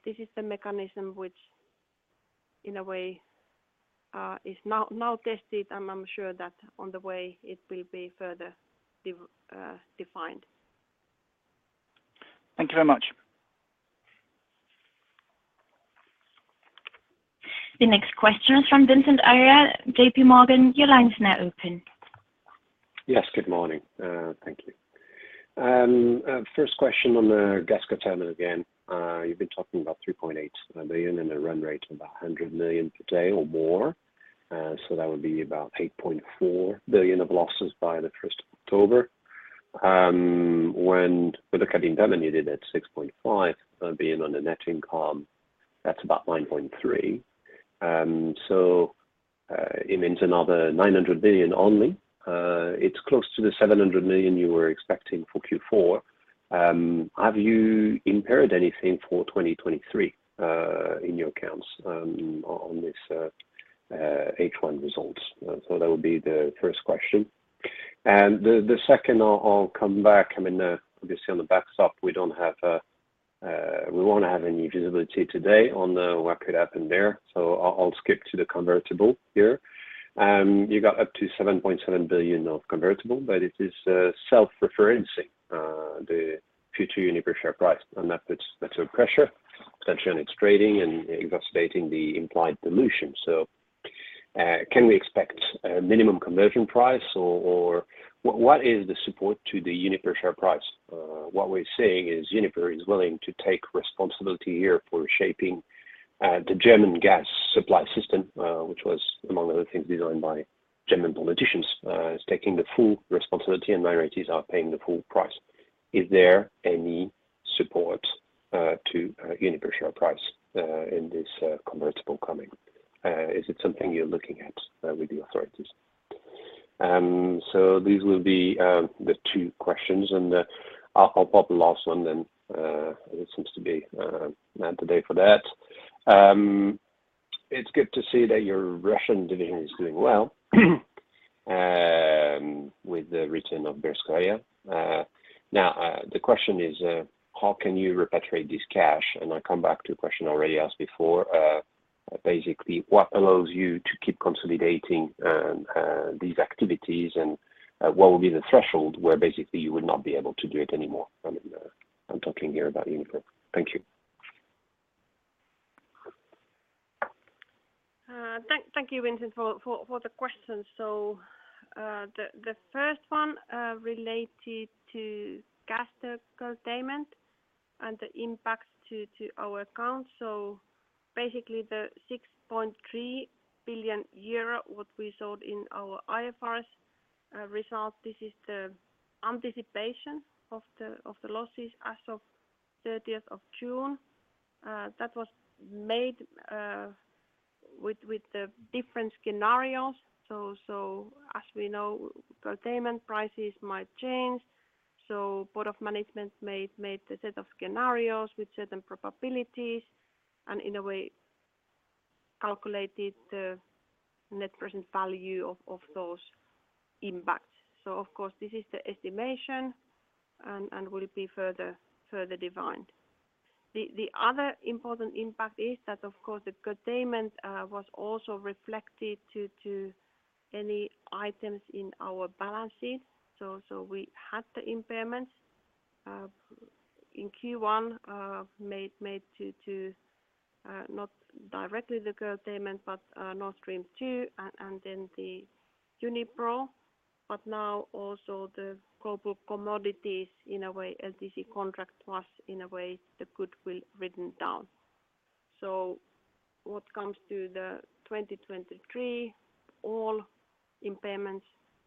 This is the mechanism which in a way is now tested, and I'm sure that on the way it will be further defined. Thank you very much. The next question is from Vincent Ayral, JPMorgan. Your line is now open. Yes, good morning. Thank you. First question on the gas curtailment again. You've been talking about 3.8 million and a run rate of 100 million per day or more. That would be about 8.4 billion of losses by the first of October. Look at the denominated at 6.5 billion, being on the net income, that's about 9.3 billion. It means another 900 billion only. It's close to the 700 million you were expecting for Q4. Have you impaired anything for 2023 in your accounts on this H1 results? That would be the first question. The second I'll come back. I mean, obviously on the backstop, we don't have a... We won't have any visibility today on what could happen there. I'll skip to the convertible here. You got up to 7.7 billion of convertible, but it is self-referencing the future Uniper share price. That puts greater pressure, especially on its trading and exacerbating the implied dilution. Can we expect a minimum conversion price or what is the support to the Uniper share price? What we're seeing is Uniper is willing to take responsibility here for shaping the German gas supply system, which was among other things designed by German politicians. Uniper is taking the full responsibility, and Uniper is out paying the full price. Is there any support to Uniper share price in this convertible coming? Is it something you're looking at with the authorities? These will be the two questions, and I'll pop the last one then. It seems to be not the day for that. It's good to see that your Russian division is doing well with the return of Berezovskaya. Now, the question is, how can you repatriate this cash? I come back to a question already asked before. Basically, what allows you to keep consolidating these activities, and what would be the threshold where basically you would not be able to do it anymore? I mean, I'm talking here about Uniper. Thank you. Thank you, Vincent, for the questions. The first one related to gas curtailment and the impacts to our accounts. Basically, the 6.3 billion euro what we saw in our IFRS result, this is the anticipation of the losses as of 30th of June. That was made with the different scenarios. As we know, curtailment prices might change. Board of management made a set of scenarios with certain probabilities, and in a way, calculated the net present value of those impacts. Of course, this is the estimation and will be further defined. The other important impact is that of course, the curtailment was also reflected to any items in our balances. We had the impairments in Q1 made to not directly the curtailment, but Nord Stream 2 and then Uniper. Now also the Global Commodities in a way, LTC contract plus in a way, the goodwill written down. What comes to 2023, all impairments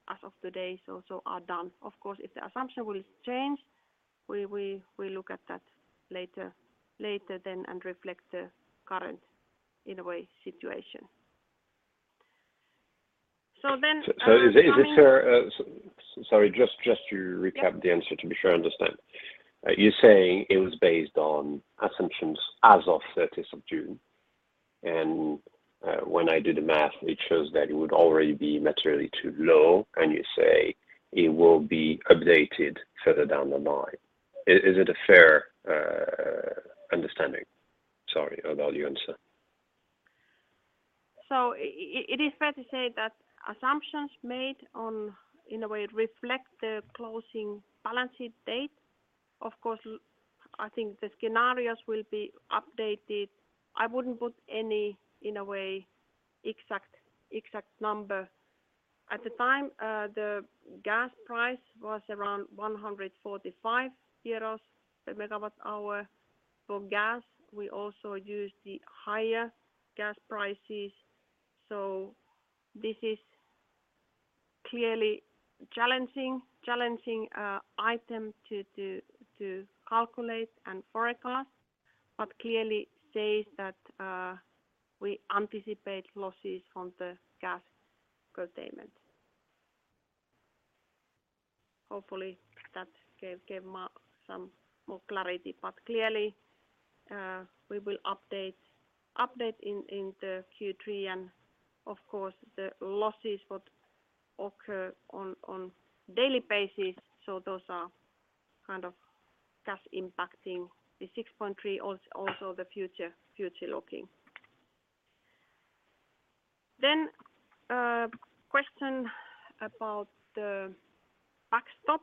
as of today are done. Of course, if the assumption will change, we look at that later then and reflect the current in a way situation. Is it fair, sorry, just to recap the answer to be sure I understand. You're saying it was based on assumptions as of 30th of June. When I do the math, it shows that it would already be materially too low, and you say it will be updated further down the line. Is it a fair understanding? Sorry about the answer. It is fair to say that assumptions made, in a way, reflect the closing balance sheet date. Of course, I think the scenarios will be updated. I wouldn't put any, in a way, exact number. At the time, the gas price was around 145 euros per MWh. For gas, we also use the higher gas prices. This is clearly challenging item to calculate and forecast, but clearly says that we anticipate losses from the gas curtailment. Hopefully that gave some more clarity. Clearly, we will update in the Q3 and of course the losses that occur on daily basis. Those are kind of gas impacting the 6.3, also the future looking. Question about the backstop.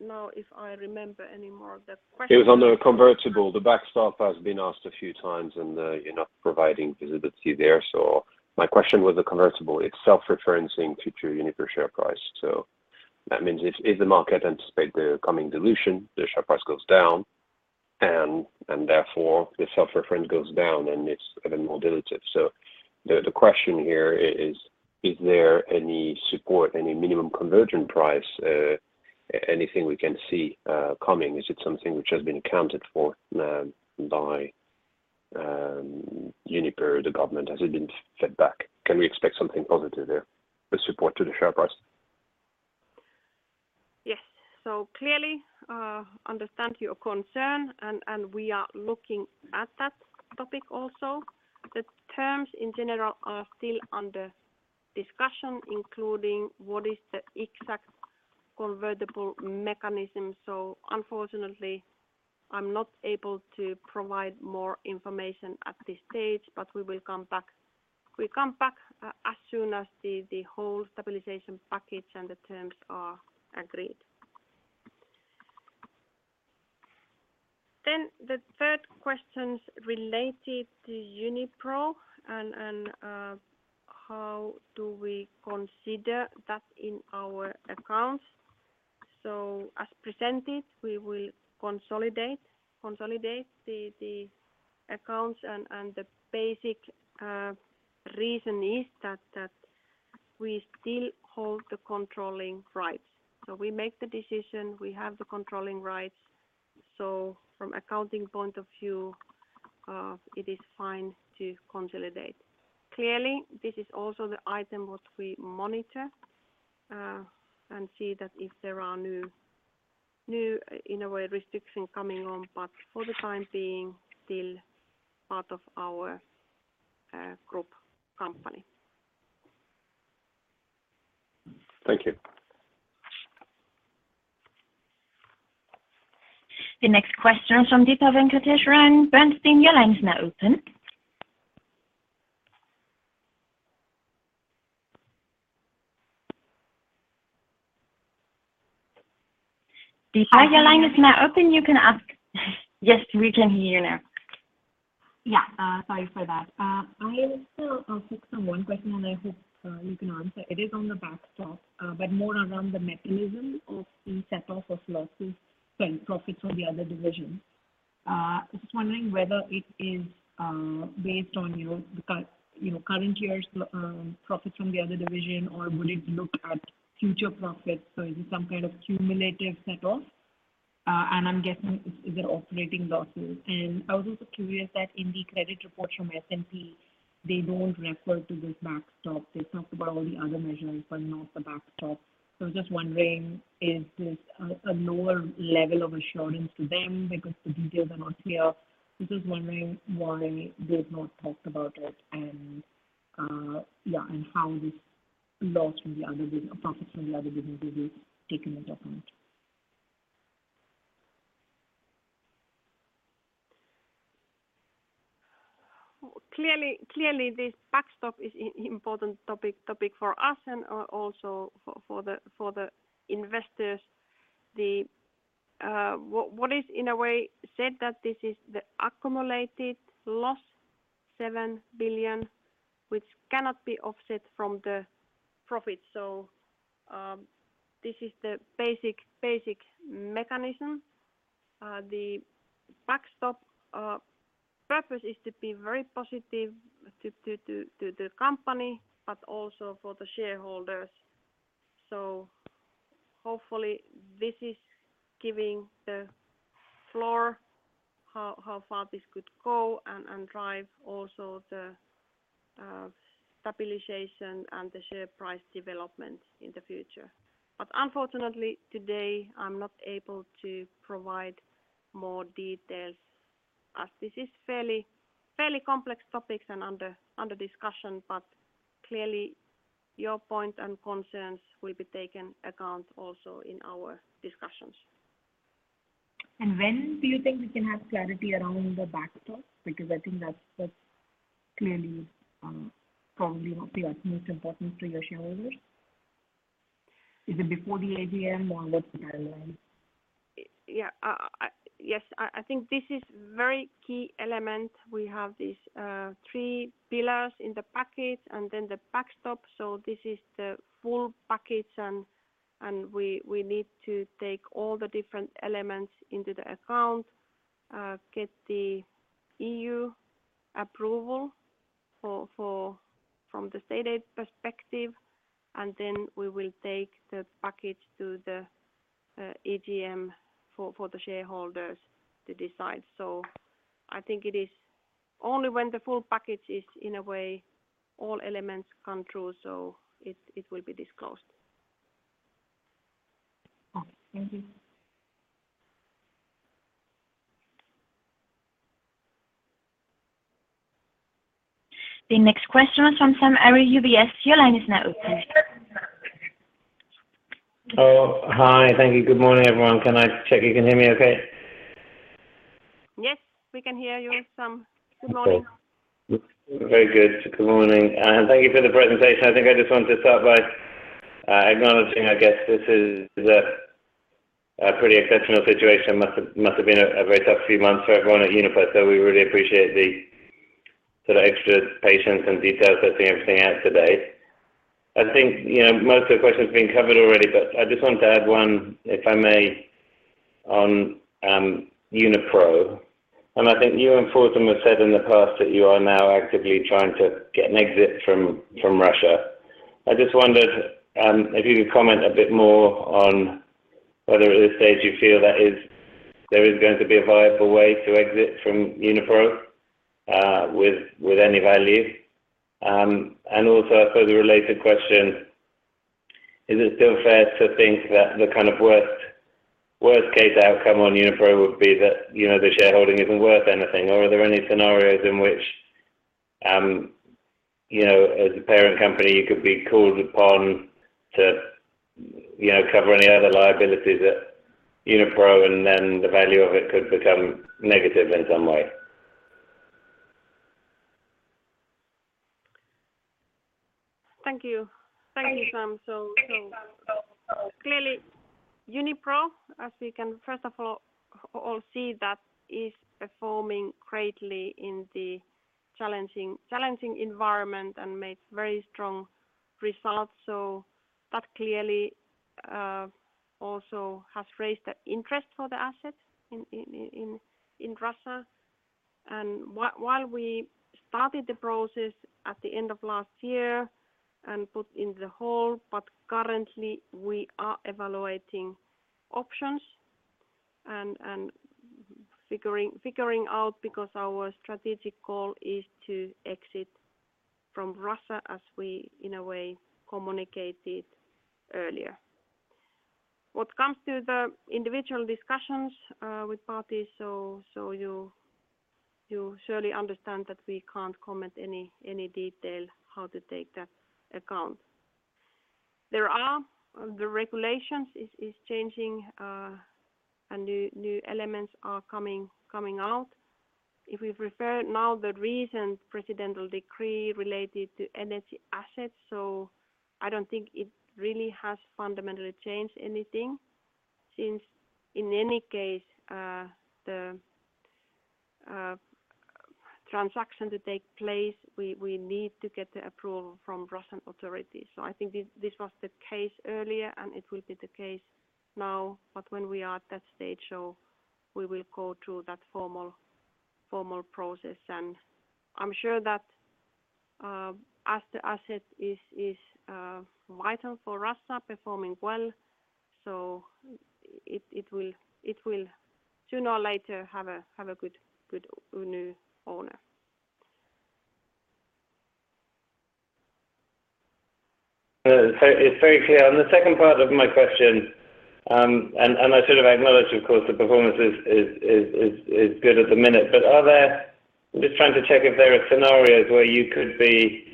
Now if I remember any more of that question. It was on the convertible. The backstop has been asked a few times, and, you're not providing visibility there. My question was the convertible. It's self-referencing future Uniper share price. That means if the market anticipate the coming dilution, the share price goes down, and therefore the self-reference goes down, and it's even more dilutive. The question here is there any support, any minimum conversion price, anything we can see, coming? Is it something which has been accounted for, by Uniper, the government? Has it been fed back? Can we expect something positive there, the support to the share price? Yes. Clearly understand your concern, and we are looking at that topic also. The terms in general are still under discussion, including what is the exact convertible mechanism. Unfortunately, I'm not able to provide more information at this stage, but we will come back. We come back as soon as the whole stabilization package and the terms are agreed. The third questions related to Unipro and how do we consider that in our accounts. As presented, we will consolidate the accounts and the basic reason is that we still hold the controlling rights. We make the decision, we have the controlling rights, from accounting point of view, it is fine to consolidate. Clearly, this is also the item what we monitor, and see that if there are new, in a way, restriction coming on, but for the time being, still part of our group company. Thank you. The next question is from Deepa Venkateswaran. Bernstein, your line is now open. Deepa. Hi, your line is now open. You can ask. Yes, we can hear you now. Yeah. Sorry for that. I also focus on one question, and I hope you can answer. It is on the backstop, but more around the mechanism of the set off of losses, sorry, profits from the other division. I was just wondering whether it is based on your current year's profits from the other division, or will it look at future profits? Is it some kind of cumulative set off? I'm guessing it's either operating losses. I was also curious that in the credit report from S&P, they don't refer to this backstop. They talked about all the other measures but not the backstop. I was just wondering, is this a lower level of assurance to them because the details are not clear? I'm just wondering why they've not talked about it and, yeah, and how this loss from the other or profits from the other businesses is taken into account. Clearly, this backstop is important topic for us and also for the investors. What is in a way said that this is the accumulated loss, 7 billion, which cannot be offset from the profits. This is the basic mechanism. The backstop purpose is to be very positive to the company, but also for the shareholders. Hopefully, this is giving the floor how far this could go and drive also the stabilization and the share price development in the future. Unfortunately, today, I'm not able to provide more details as this is fairly complex topics and under discussion. Clearly, your point and concerns will be taken account also in our discussions. When do you think we can have clarity around the backstop? Because I think that's clearly probably what we are most important to your shareholders. Is it before the AGM or what's the timeline? Yes, I think this is very key element. We have these three pillars in the package and then the backstop. This is the full package and we need to take all the different elements into account, get the EU approval from the state aid perspective, and then we will take the package to the AGM for the shareholders to decide. I think it is only when the full package is in a way all elements come through, so it will be disclosed. Okay. Thank you. The next question is from Sam Arie, UBS. Your line is now open. Oh, hi. Thank you. Good morning, everyone. Can I check you can hear me okay? Yes, we can hear you, Sam. Good morning. Very good. Good morning, and thank you for the presentation. I think I just want to start by acknowledging. I guess this is a pretty exceptional situation. Must have been a very tough few months for everyone at Uniper. We really appreciate the extra patience and details that everything has today. I think, you know, most of the questions have been covered already, but I just want to add one, if I may, on Unipro. I think you and Fortum have said in the past that you are now actively trying to get an exit from Russia. I just wondered if you could comment a bit more on whether at this stage you feel there is going to be a viable way to exit from Unipro with any value. And also a further related question, is it still fair to think that the kind of worst case outcome on Unipro would be that, you know, the shareholding isn't worth anything? Or are there any scenarios in which, you know, as a parent company, you could be called upon to, you know, cover any other liabilities at Unipro, and then the value of it could become negative in some way? Thank you. Thank you, Sam. Clearly, Unipro, as we can first of all see, is performing greatly in the challenging environment and made very strong results. That clearly also has raised the interest for the assets in Russia. While we started the process at the end of last year and put it on hold, currently we are evaluating options and figuring out because our strategic goal is to exit from Russia, as we in a way communicated earlier. What comes to the individual discussions with parties, you surely understand that we can't comment any detail how to take that into account. There are. The regulations are changing, and new elements are coming out. If we refer to the recent presidential decree related to energy assets, I don't think it really has fundamentally changed anything since in any case, the transaction to take place, we need to get the approval from Russian authorities. I think this was the case earlier, and it will be the case now. When we are at that stage, we will go through that formal process. I'm sure that as the asset is vital for Russia performing well, it will sooner or later have a good new owner. It's very clear. On the second part of my question, and I sort of acknowledge, of course, the performance is good at the minute. Are there scenarios where you could be,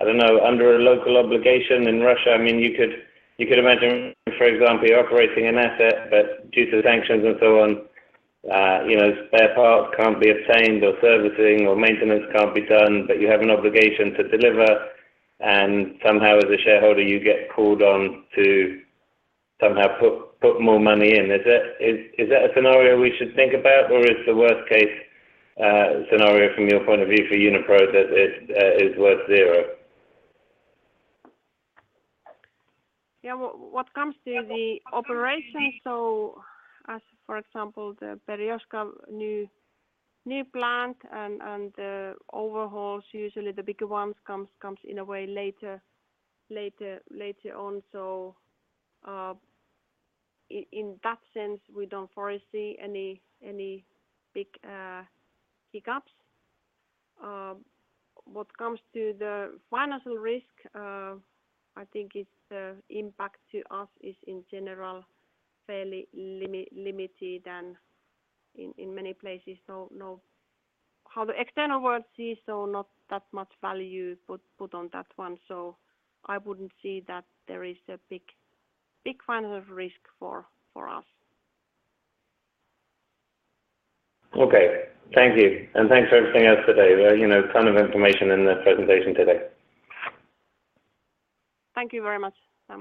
I don't know, under a local obligation in Russia. I mean, you could imagine, for example, you're operating an asset, but due to the sanctions and so on, you know, spare parts can't be obtained or servicing or maintenance can't be done, but you have an obligation to deliver, and somehow as a shareholder, you get called on to somehow put more money in. Is that a scenario we should think about, or is the worst case scenario from your point of view for Unipro that it is worth zero? Yeah. What comes to the operations, so as for example, the Berezovskaya new plant and overhauls, usually the bigger ones comes in a way later on. In that sense, we don't foresee any big hiccups. What comes to the financial risk, I think the impact to us is in general fairly limited and in many places, so no. How the external world sees, so not that much value put on that one. I wouldn't see that there is a big financial risk for us. Okay. Thank you. Thanks for everything else today. You know, ton of information in the presentation today. Thank you very much, Sam.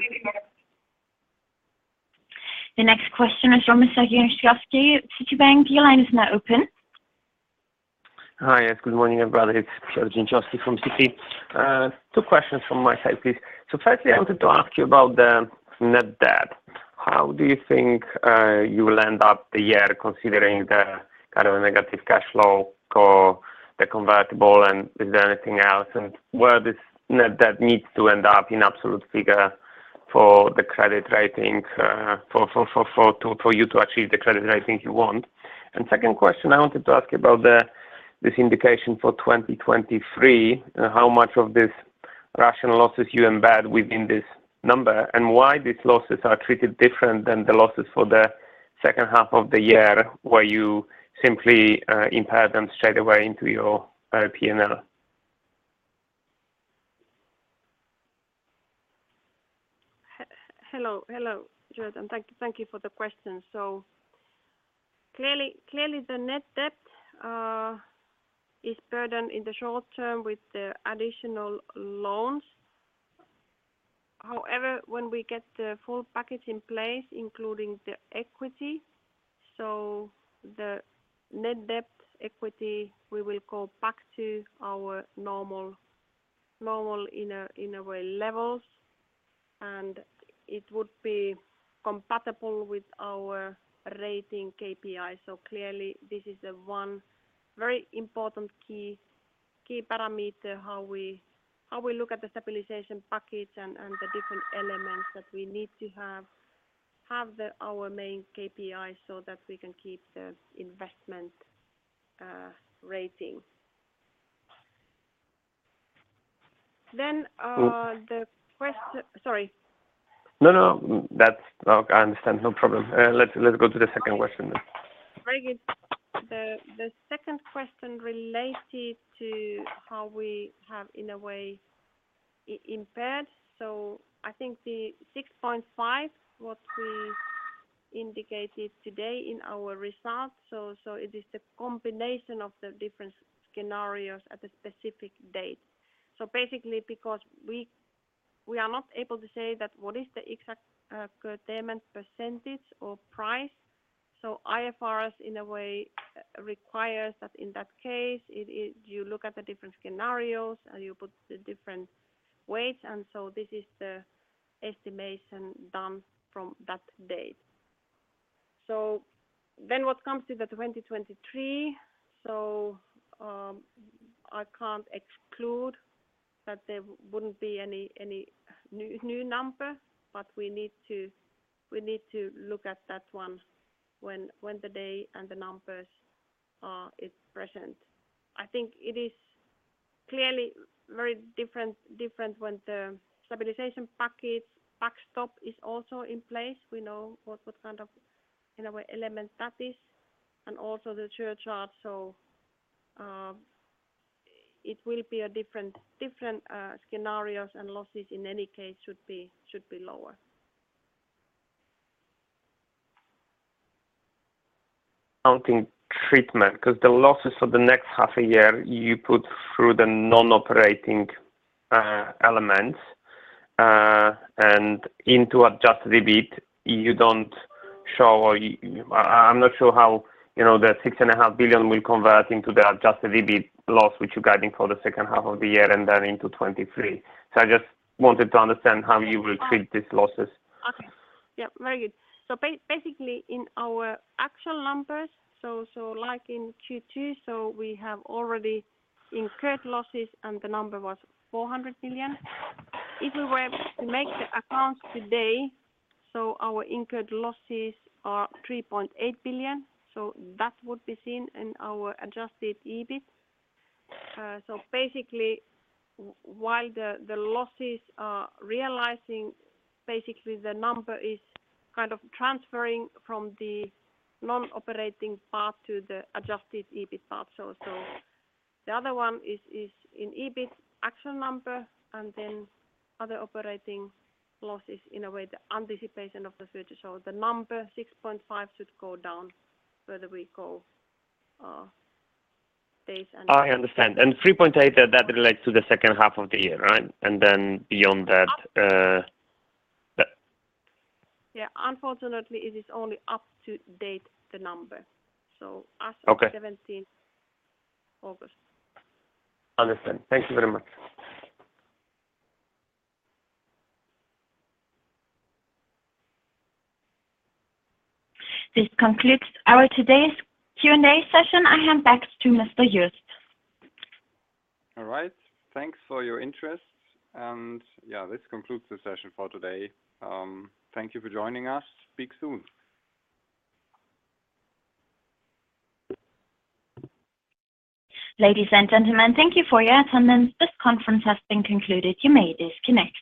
The next question is from Piotr Dzieciolowski, Citibank. Your line is now open. Hi. Yes, good morning, everybody. It's Piotr Dzieciolowski from Citi. Two questions from my side, please. Firstly, I wanted to ask you about the net debt. How do you think you will end up the year considering the kind of a negative cash flow for the convertible, and is there anything else? And where this net debt needs to end up in absolute figure for the credit rating, for you to achieve the credit rating you want? Second question, I wanted to ask you about this indication for 2023. How much of these rational losses you embed within this number, and why these losses are treated different than the losses for the second half of the year, where you simply impair them straight away into your P&L? Hello. [inaudible] Thank you for the question. Clearly, the net debt is burdened in the short term with the additional loans. However, when we get the full package in place, including the equity, the net debt equity, we will go back to our normal in a way levels, and it would be compatible with our rating KPI. Clearly, this is the one very important key parameter how we look at the stabilization package and the different elements that we need to have our main KPI so that we can keep the investment rating. Sorry. No, no. That's. Oh, I understand. No problem. Let's go to the second question then. Very good. The second question related to how we have, in a way, impaired. I think the 6.5, what we indicated today in our results, it is the combination of the different scenarios at a specific date. Basically because we are not able to say that what is the exact curtailment percentage or price. IFRS in a way requires that in that case it is you look at the different scenarios, and you put the different weights, and this is the estimation done from that date. What comes to the 2023. I can't exclude that there wouldn't be any new number, but we need to look at that one when the day and the numbers is present. I think it is clearly very different when the stabilization package backstop is also in place. We know what kind of, in a way, element that is and also the share chart. It will be a different scenarios and losses in any case should be lower. Accounting treatment, 'cause the losses for the next half a year, you put through the non-operating elements and into Adjusted EBIT, you don't show or I'm not sure how, you know, the 6.5 billion will convert into the Adjusted EBIT loss, which you're guiding for the second half of the year and then into 2023. I just wanted to understand how you will treat these losses. Okay. Yep. Very good. Basically in our actual numbers, like in Q2, we have already incurred losses and the number was 400 million. If we were to make the accounts today, our incurred losses are 3.8 billion, that would be seen in our Adjusted EBIT. Basically, while the losses are realizing, the number is kind of transferring from the non-operating part to the Adjusted EBIT part. The other one is in EBIT actual number and then other operating losses in a way the anticipation of the future. The number 6.5 billion should go down the further we go. I understand. 3.8 billion, that relates to the second half of the year, right? Unfortunately it is only up to date the number. Okay. 17th August. Understand. Thank you very much. This concludes our today's Q&A session. I hand back to Mr. Jost. All right. Thanks for your interest. Yeah, this concludes the session for today. Thank you for joining us. Speak soon. Ladies and gentlemen, thank you for your attendance. This conference has been concluded. You may disconnect now.